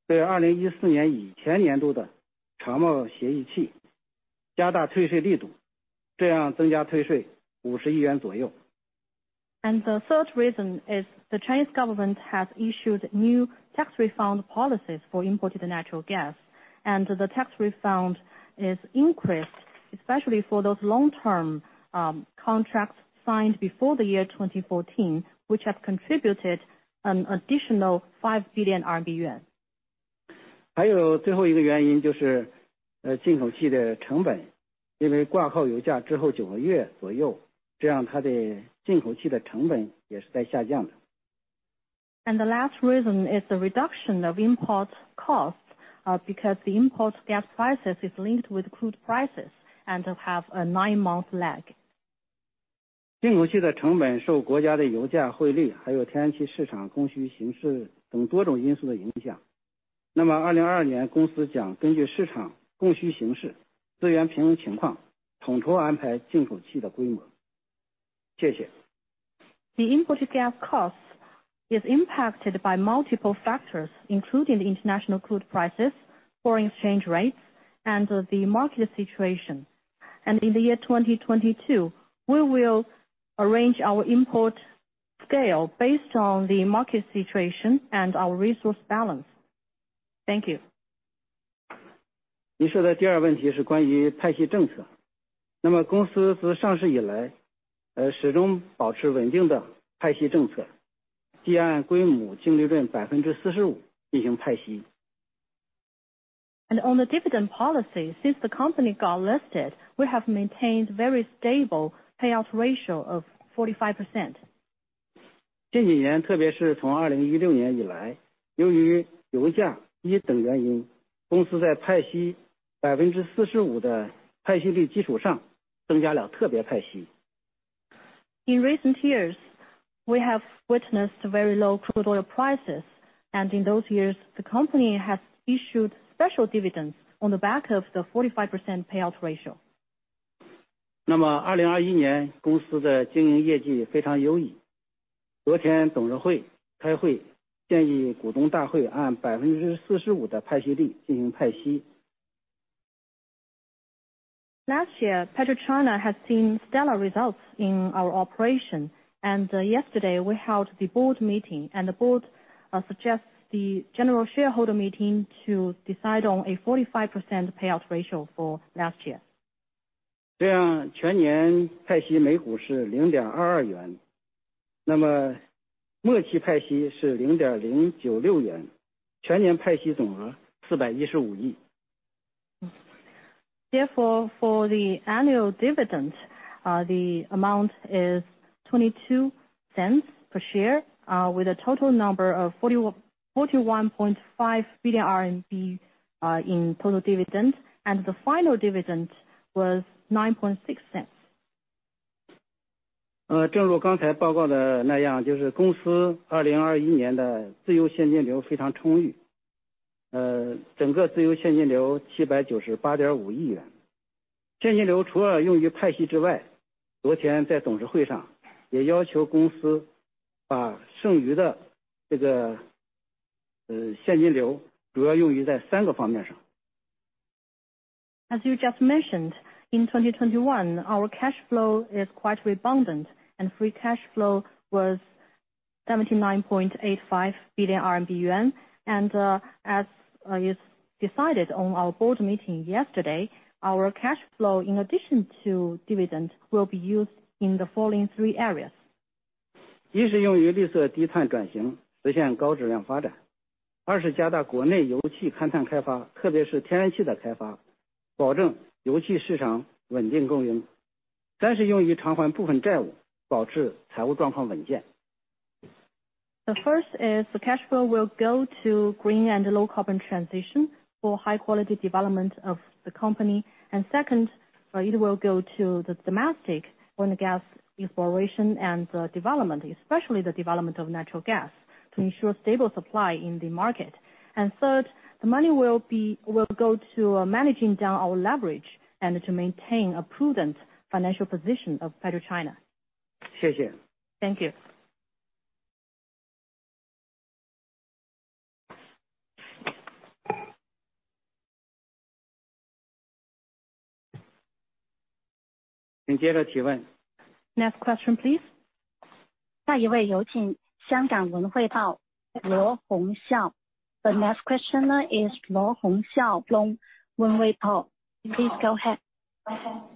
第三个原因是国家颁布了进口气退税政策，对2014年以前年度的长契协议气加大退税力度，这样增加退税五十亿元左右。The third reason is the Chinese government has issued new tax refund policies for imported natural gas, and the tax refund is increased, especially for those long-term contracts signed before the year 2014, which has contributed an additional CNY 5 billion. 还有最后一个原因，就是进口气的成本，因为挂靠油价之后九个月左右，这样它的进口气的成本也是在下降的。The last reason is the reduction of import costs, because the import gas prices is linked with crude prices and have a nine-month lag. 进口气的成本受国家的油价、汇率，还有天然气市场供需形势等多种因素的影响。那么2022年公司将根据市场供需形势，资源平衡情况，统筹安排进口气的规模。谢谢。The import gas cost is impacted by multiple factors, including the international crude prices, foreign exchange rates, and the market situation. In the year 2022, we will arrange our import scale based on the market situation and our resource balance. Thank you. 您说的第二个问题是关于派息政策。公司自上市以来，始终保持稳定的派息政策，即按规模净利润45%进行派息。On the dividend policy, since the company got listed, we have maintained very stable payout ratio of 45%. 近几年，特别是从2016年以来，由于油价低等原因，公司在派息45%的派息率基础上增加了特别派息。In recent years, we have witnessed very low crude oil prices, and in those years, the company has issued special dividends on the back of the 45% payout ratio. 2021年公司的经营业绩非常优异。昨天董事会开会建议股东大会按45%的派息率进行派息。Last year, PetroChina has seen stellar results in our operation. Yesterday, we held the board meeting, and the board suggests the general shareholder meeting to decide on a 45% payout ratio for last year. 这样全年派息每股是¥0.22元，那么末期派息是¥0.096元，全年派息总额¥415亿。Therefore, for the annual dividend, the amount is $0.22 per share, with a total number of 41.5 billion RMB in total dividend, and the final dividend was $0.096. 正如刚才报告的那样，公司2021年的自由现金流非常充裕，整个自由现金流798.5亿元。现金流除了用于派息之外，昨天在董事会上也要求公司把剩余的现金流主要用于在三个方面上。As you just mentioned, in 2021, our cash flow is quite abundant, and free cash flow was 79.85 billion yuan. As is decided on our board meeting yesterday, our cash flow in addition to dividend will be used in the following three areas. 一是用于绿色低碳转型，实现高质量发展。二是加大国内油气勘探开发，特别是天然气的开发，保证油气市场稳定供应。三是用于偿还部分债务，保持财务状况稳健。The first is the cash flow will go to green and low carbon transition for high quality development of the company. Second, it will go to the domestic oil and gas exploration and development, especially the development of natural gas, to ensure stable supply in the market. Third, the money will go to managing down our leverage and to maintain a prudent financial position of PetroChina. Thank you. 请提问。Next question please. 下一位有请香港文汇报罗洪笑。The next question is 罗洪笑 from 文汇报. Please go ahead. The next question is Luo Hongxiao from Wen Wei Po, Please go ahead.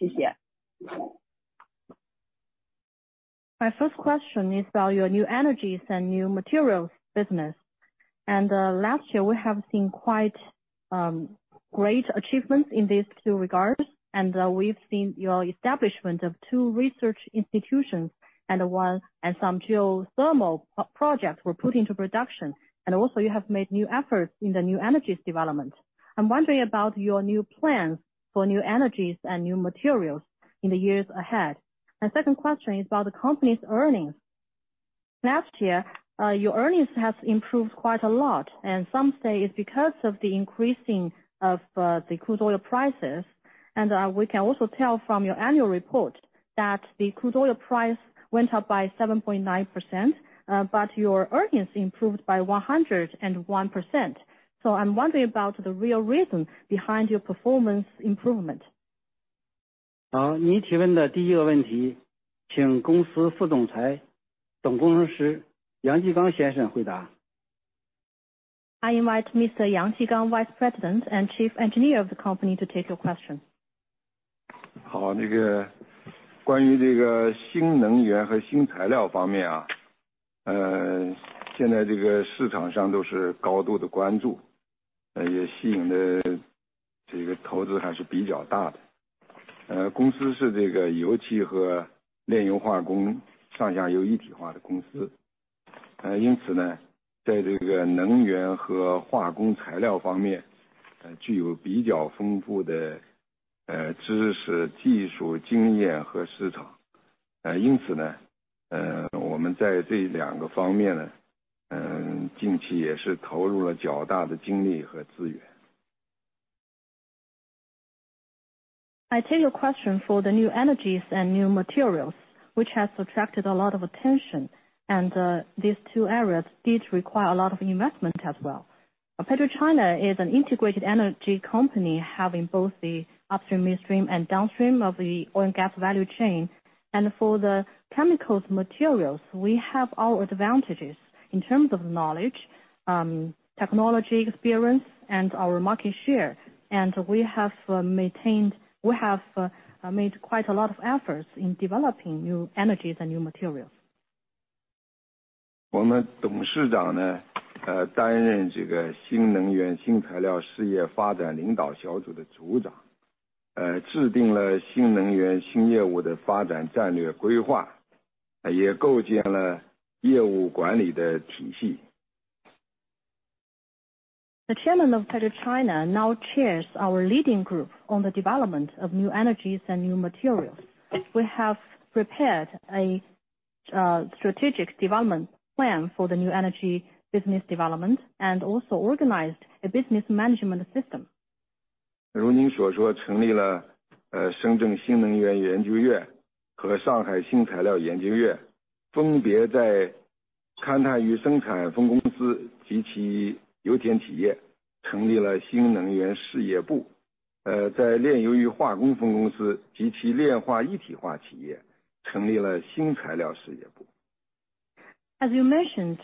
My first question is about your new energies and new materials business. Last year we have seen quite great achievements in these two regards. We've seen your establishment of two research institutions and some geothermal projects were put into production. Also you have made new efforts in the new energies development. I'm wondering about your new plans for new energies and new materials in the years ahead. Second question is about the company's earnings. Last year your earnings has improved quite a lot, and some say it's because of the increasing of the crude oil prices. We can also tell from your annual report that the crude oil price went up by 7.9%, but your earnings improved by 101%. I'm wondering about the real reason behind your performance improvement. 好，您提问的第一个问题，请公司副总裁总工程师杨继刚先生回答。I invite Mr. Yang Jigang, Vice President and Chief Engineer of the company to take your question. I take your question for the new energies and new materials, which has attracted a lot of attention. These two areas did require a lot of investment as well. PetroChina is an integrated energy company having both the upstream, midstream and downstream of the oil and gas value chain. For the chemicals materials, we have our advantages in terms of knowledge, technology experience and our market share. We have made quite a lot of efforts in developing new energies and new materials. 我们董事长担任这个新能源新材料事业发展领导小组的组长，制定了新能源新业务的发展战略规划，也构建了业务管理的体系。The chairman of PetroChina now chairs our leading group on the development of new energies and new materials. We have prepared a strategic development plan for the new energy business development and also organized a business management system. 如您所说，成立了深圳新能源研究院和上海新材料研究院，分别在勘探与生产分公司及其油田企业成立了新能源事业部，在炼油与化工分公司及其炼化一体化企业成立了新材料事业部。As you mentioned,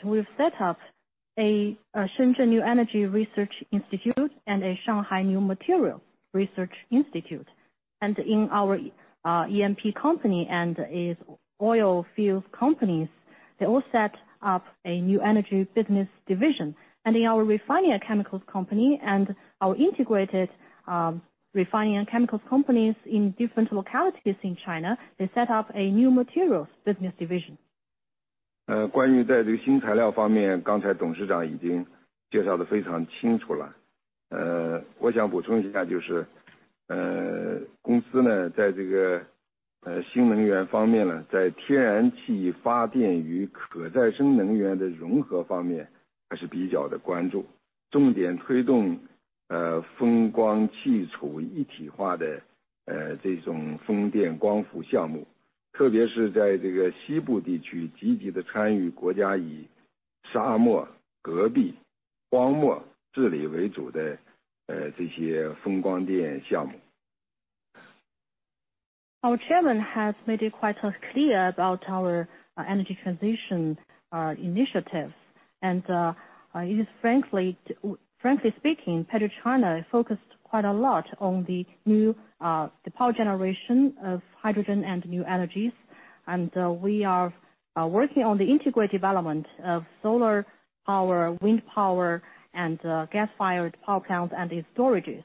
we've set up a Shenzhen New Energy Research Institute and a Shanghai New Material Research Institute. In our E&P company and its oil field companies, they all set up a new energy business division. In our refinery and chemicals company and our integrated refinery and chemicals companies in different localities in China, they set up a new materials business division. Our chairman has made it quite clear about our energy transition initiatives, and it is frankly speaking PetroChina focused quite a lot on the new, the power generation of hydrogen and new energies. We are working on the integrated development of solar power, wind power and gas-fired power plants and their storages.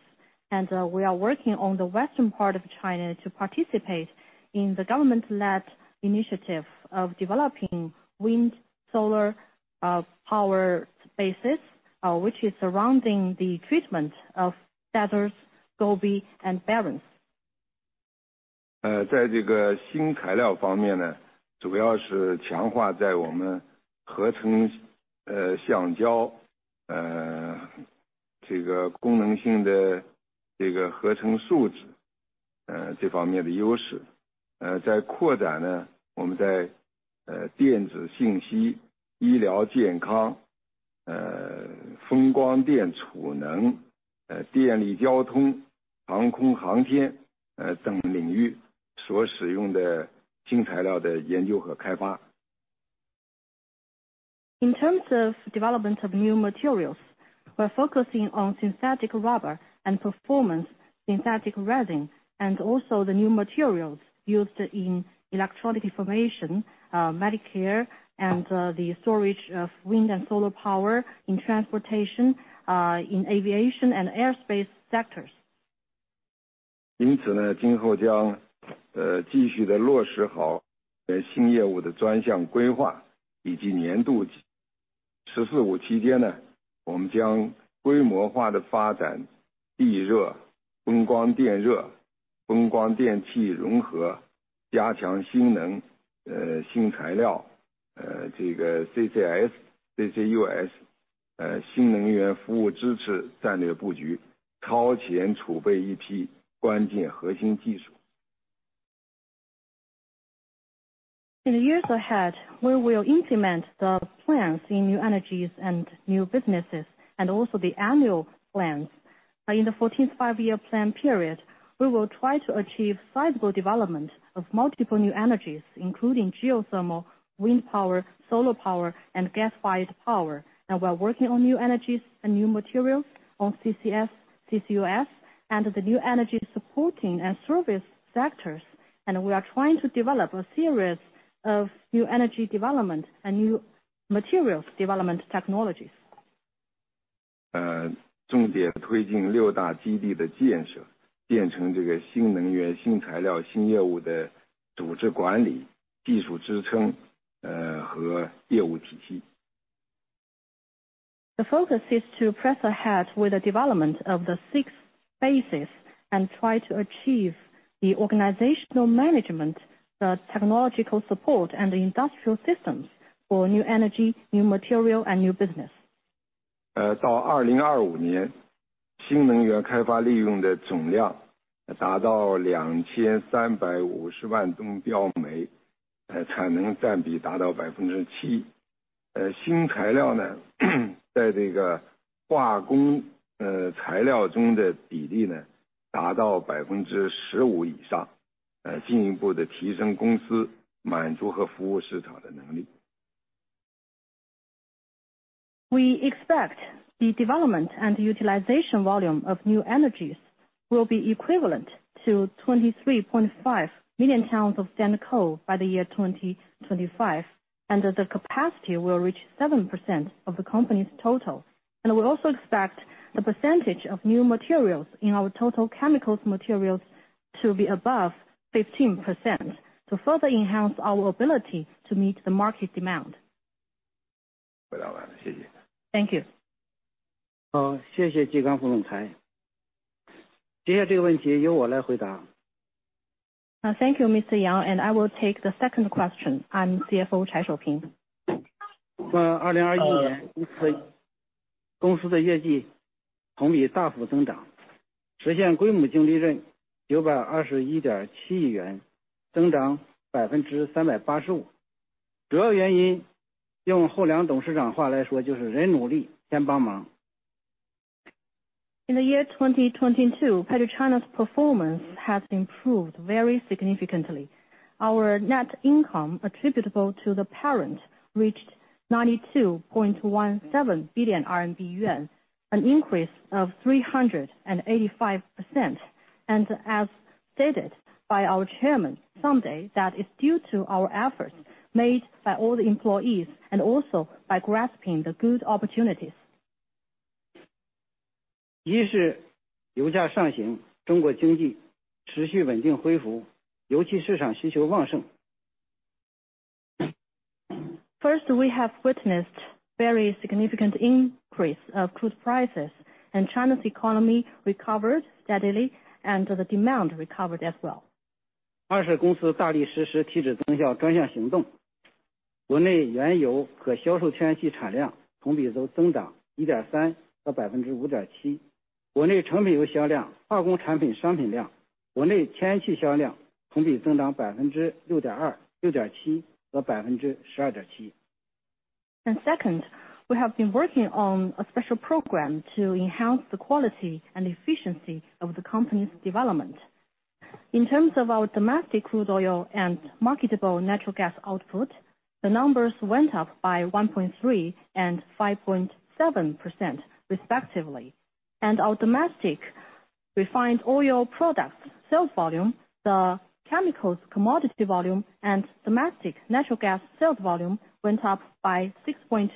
We are working on the western part of China to participate in the government-led initiative of developing wind, solar, power spaces, which is surrounding the treatment of deserts, Gobi and Barrens. 在新材料方面，主要是强化在我们合成橡胶、功能性合成树脂方面的优势，在扩展我们在电子信息、医疗健康、风光电储能、电力交通、航空航天等领域所使用的新材料的研究和开发。In terms of development of new materials, we are focusing on synthetic rubber and performance synthetic resin, and also the new materials used in electronic information, medicine and the storage of wind and solar power in transportation, in aviation and aerospace sectors. 因此，今后将继续落实好新业务的专项规划以及年度计划。十四五期间，我们将规模化地发展地热、风光电热、风光电气融合，加强新能源、新材料、CCS、CCUS新能源服务支持战略布局，超前储备一批关键核心技术。In the years ahead, we will implement the plans in new energies and new businesses and also the annual plans. In the 14th Five-Year Plan period, we will try to achieve sizable development of multiple new energies, including geothermal, wind power, solar power and gas-fired power. We are working on new energies and new materials on CCS, CCUS and the new energy supporting and service sectors. We are trying to develop a series of new energy development and new materials development technologies. 重点推进六大基地的建设，建成这个新能源、新材料、新业务的组织管理、技术支撑和业务体系。The focus is to press ahead with the development of the six bases and try to achieve the organizational management, the technological support and the industrial systems for new energy, new material and new business. We expect the development and utilization volume of new energies will be equivalent to 23.5 million tons of standard coal by the year 2025, and the capacity will reach 7% of the company's total. We also expect the percentage of new materials in our total chemicals materials to be above 15% to further enhance our ability to meet the market demand. 回答完了，谢谢。Thank you. 好，谢谢季刚副总裁，接下来这个问题由我来回答。Thank you, Mr. Yang. I will take the second question. I'm CFO, Chai Shouping. 在2021年，公司的业绩同比大幅增长，实现归属净利润921.7亿元，增长385%。主要原因用戴厚良董事长的话来说，就是人努力，天帮忙。In the year 2022, PetroChina's performance has improved very significantly. Our net income attributable to the parent reached 92.17 billion yuan, an increase of 385%. As stated by our chairman Dai, that is due to our efforts made by all the employees and also by grasping the good opportunities. 一是油价上行，中国经济持续稳定恢复，油气市场需求旺盛 First, we have witnessed very significant increase of crude prices and China's economy recovered steadily and the demand recovered as well. Second, we have been working on a special program to enhance the quality and efficiency of the company's development. In terms of our domestic crude oil and marketable natural gas output, the numbers went up by 1.3% and 5.7% respectively, and our domestic refined oil products sales volume, the chemicals commodity volume, and domestic natural gas sales volume went up by 6.2%,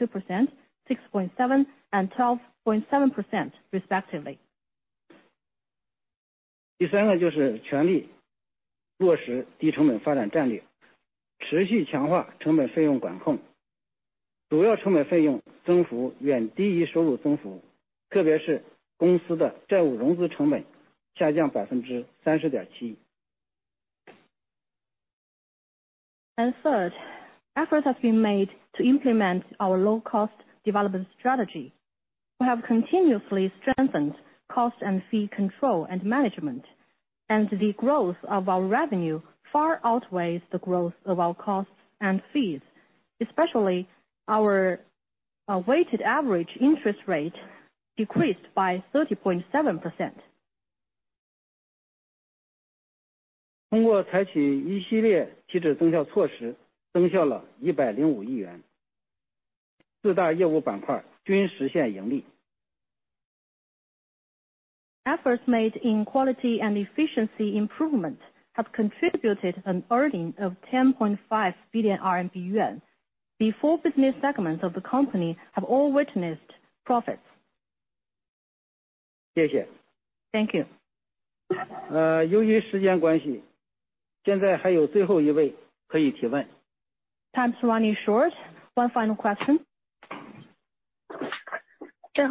6.7%, and 12.7% respectively. Third, efforts have been made to implement our low-cost development strategy. We have continuously strengthened cost and fee control and management, and the growth of our revenue far outweighs the growth of our costs and fees, especially our weighted average interest rate decreased by 30.7%. Efforts made in quality and efficiency improvement have contributed earnings of 10.5 billion yuan. The four business segments of the company have all witnessed profits. Thank you. Time's running short. One final question. The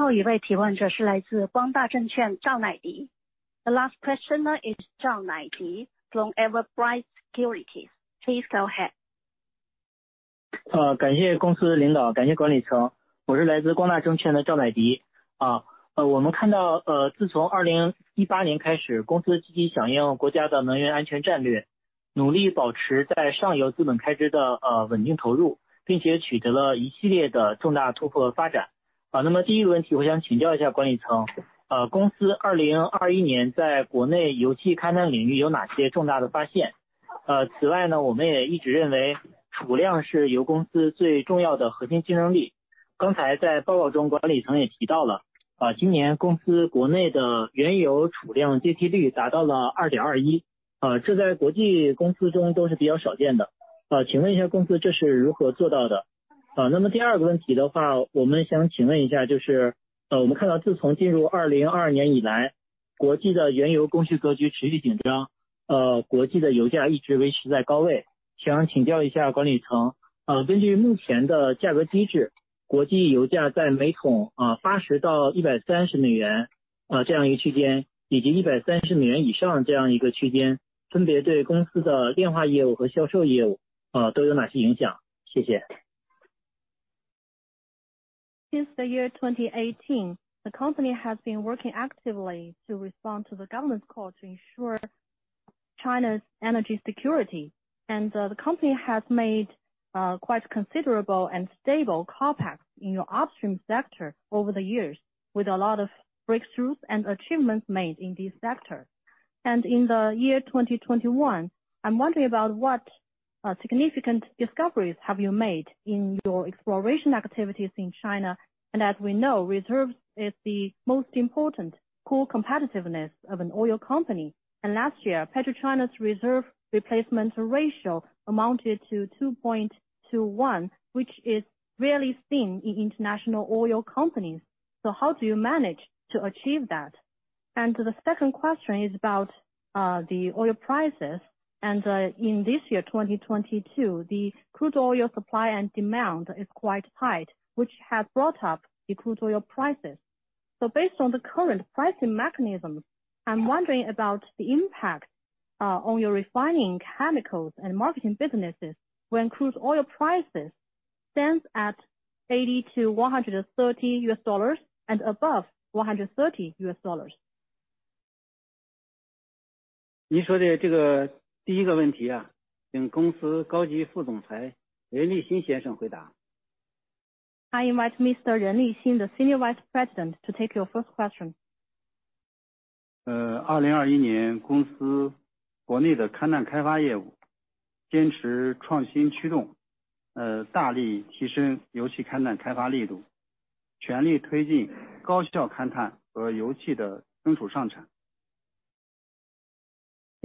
last question is Zhang Naidi from Everbright Securities. Please go ahead. Since the year 2018, the company has been working actively to respond to the government's call to ensure China's energy security. The company has made quite considerable and stable in our upstream sector over the years with a lot of breakthroughs and achievements made in this sector. In the year 2021, I'm wondering about what significant discoveries have you made in your exploration activities in China? As we know, reserves is the most important core competitiveness of an oil company. Last year, PetroChina's reserve replacement ratio amounted to 2.21, which is rarely seen in international oil companies. How do you manage to achieve that? The second question is about the oil prices. In this year, 2022, the crude oil supply and demand is quite tight, which has brought up the crude oil prices. Based on the current pricing mechanisms, I'm wondering about the impact on your refining & chemicals and marketing businesses when crude oil prices stands at $80-$130 and above $130. I invite Mr. Ren Lixin, the Senior Vice President to take your first question. In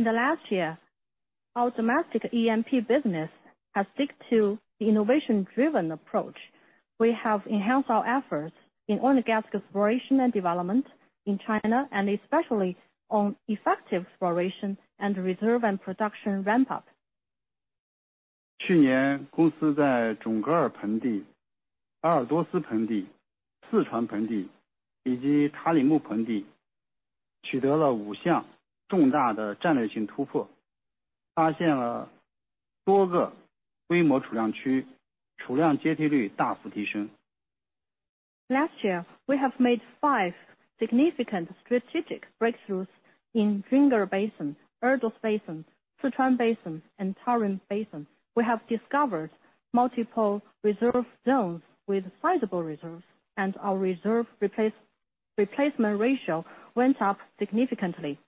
the last year, our domestic E&P business has stuck to the innovation-driven approach. We have enhanced our efforts in oil and gas exploration and development in China, and especially on effective exploration and reserve and production ramp up. 去年公司在准噶尔盆地、阿尔多斯盆地、四川盆地以及塔里木盆地取得了五项重大的战略性突破，发现了多个规模储量区，储量接替率大幅提升。Last year, we have made five significant strategic breakthroughs in Junggar Basin, Ordos Basin, Sichuan Basin and Tarim Basin. We have discovered multiple reserve zones with sizable reserves, and our reserve replacement ratio went up significantly.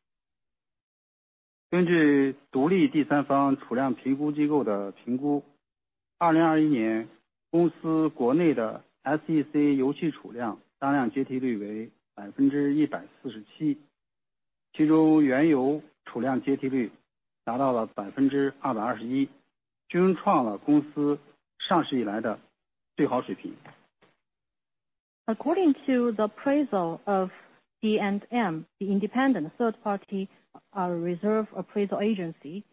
根据独立第三方储量评估机构的评估，2021年公司国内的SEC油气储量当量接替率为147%，其中原油储量接替率达到了221%，均创了公司上市以来的最好水平。According to the appraisal of D&M, the independent third party reserve appraisal agency,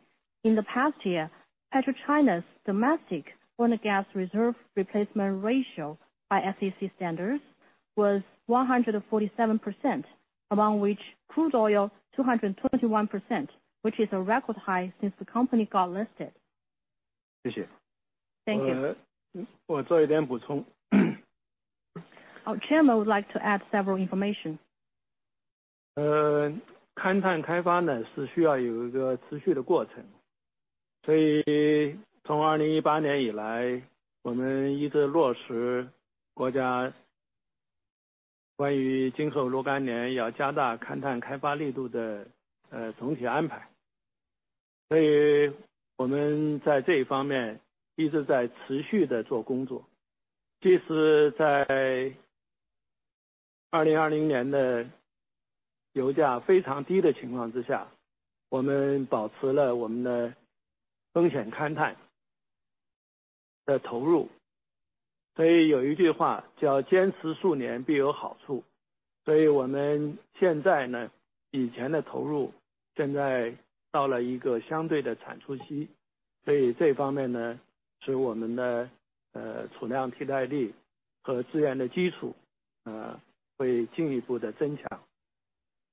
in the past year, PetroChina's domestic oil and gas reserve replacement ratio by SEC standards was 147%, among which crude oil 221%, which is a record high since the company got listed. 谢谢。Thank you. 我做一点补充。Our Chairman would like to add several information. 呃...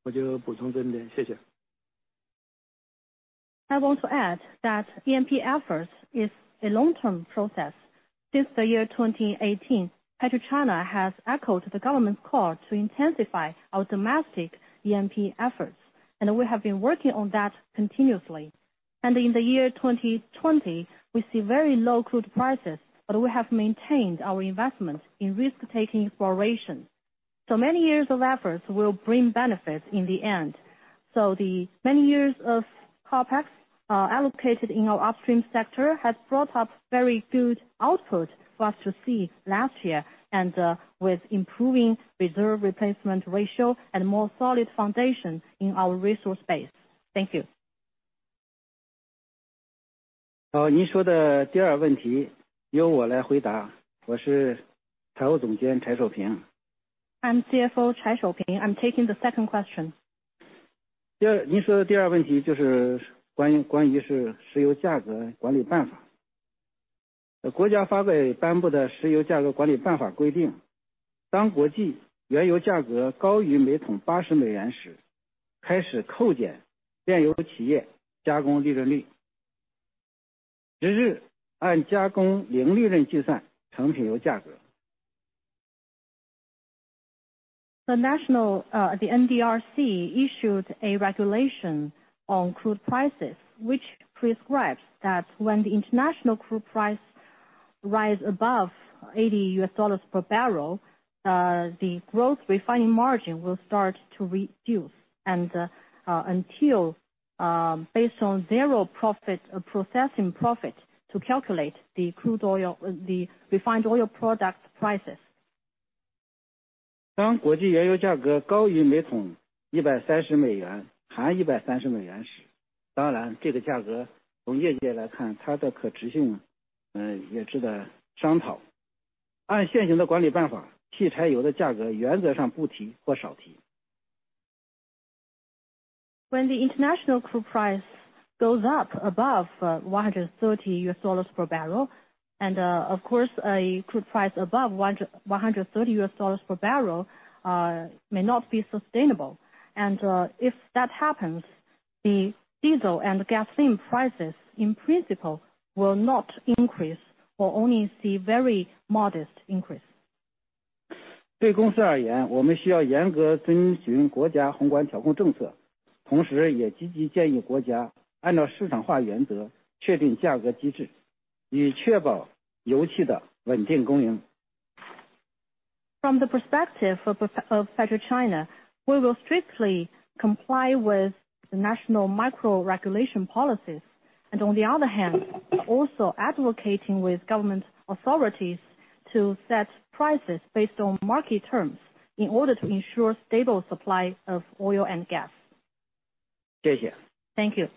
I want to add that E&P efforts is a long-term process. Since the year 2018, PetroChina has echoed the government's call to intensify our domestic E&P efforts, and we have been working on that continuously. In the year 2020, we see very low crude prices, but we have maintained our investment in risk-taking exploration. Many years of efforts will bring benefits in the end. The many years of CapEx allocated in our upstream sector has brought up very good output for us to see last year and with improving reserve replacement ratio and more solid foundation in our resource base. Thank you. 好，您说的第二个问题由我来回答。我是财务总监柴守平。I'm CFO Chai Shouping. I'm taking the second question. The NDRC issued a regulation on crude prices, which prescribes that when the international crude price rise above $80 per barrel, the growth refining margin will start to reduce and until, based on processing profit to calculate the crude oil, the refined oil product prices. 当国际原油价格高于每桶130美元，含130美元时，当然这个价格从业界来看，它的可持续性也值得商讨。按现行的管理办法，汽柴油的价格原则上不提或少提。When the international crude price goes up above $130 per barrel, of course a crude price above $130 per barrel may not be sustainable. If that happens, the diesel and gasoline prices in principle will not increase or only see very modest increase. 对公司而言，我们需要严格遵循国家宏观调控政策，同时也积极建议国家按照市场化原则确定价格机制，以确保油气的稳定供应。From the perspective of PetroChina, we will strictly comply with the national macro regulation policies. On the other hand, also advocating with government authorities to set prices based on market terms in order to ensure stable supply of oil and gas. 谢谢。Thank you.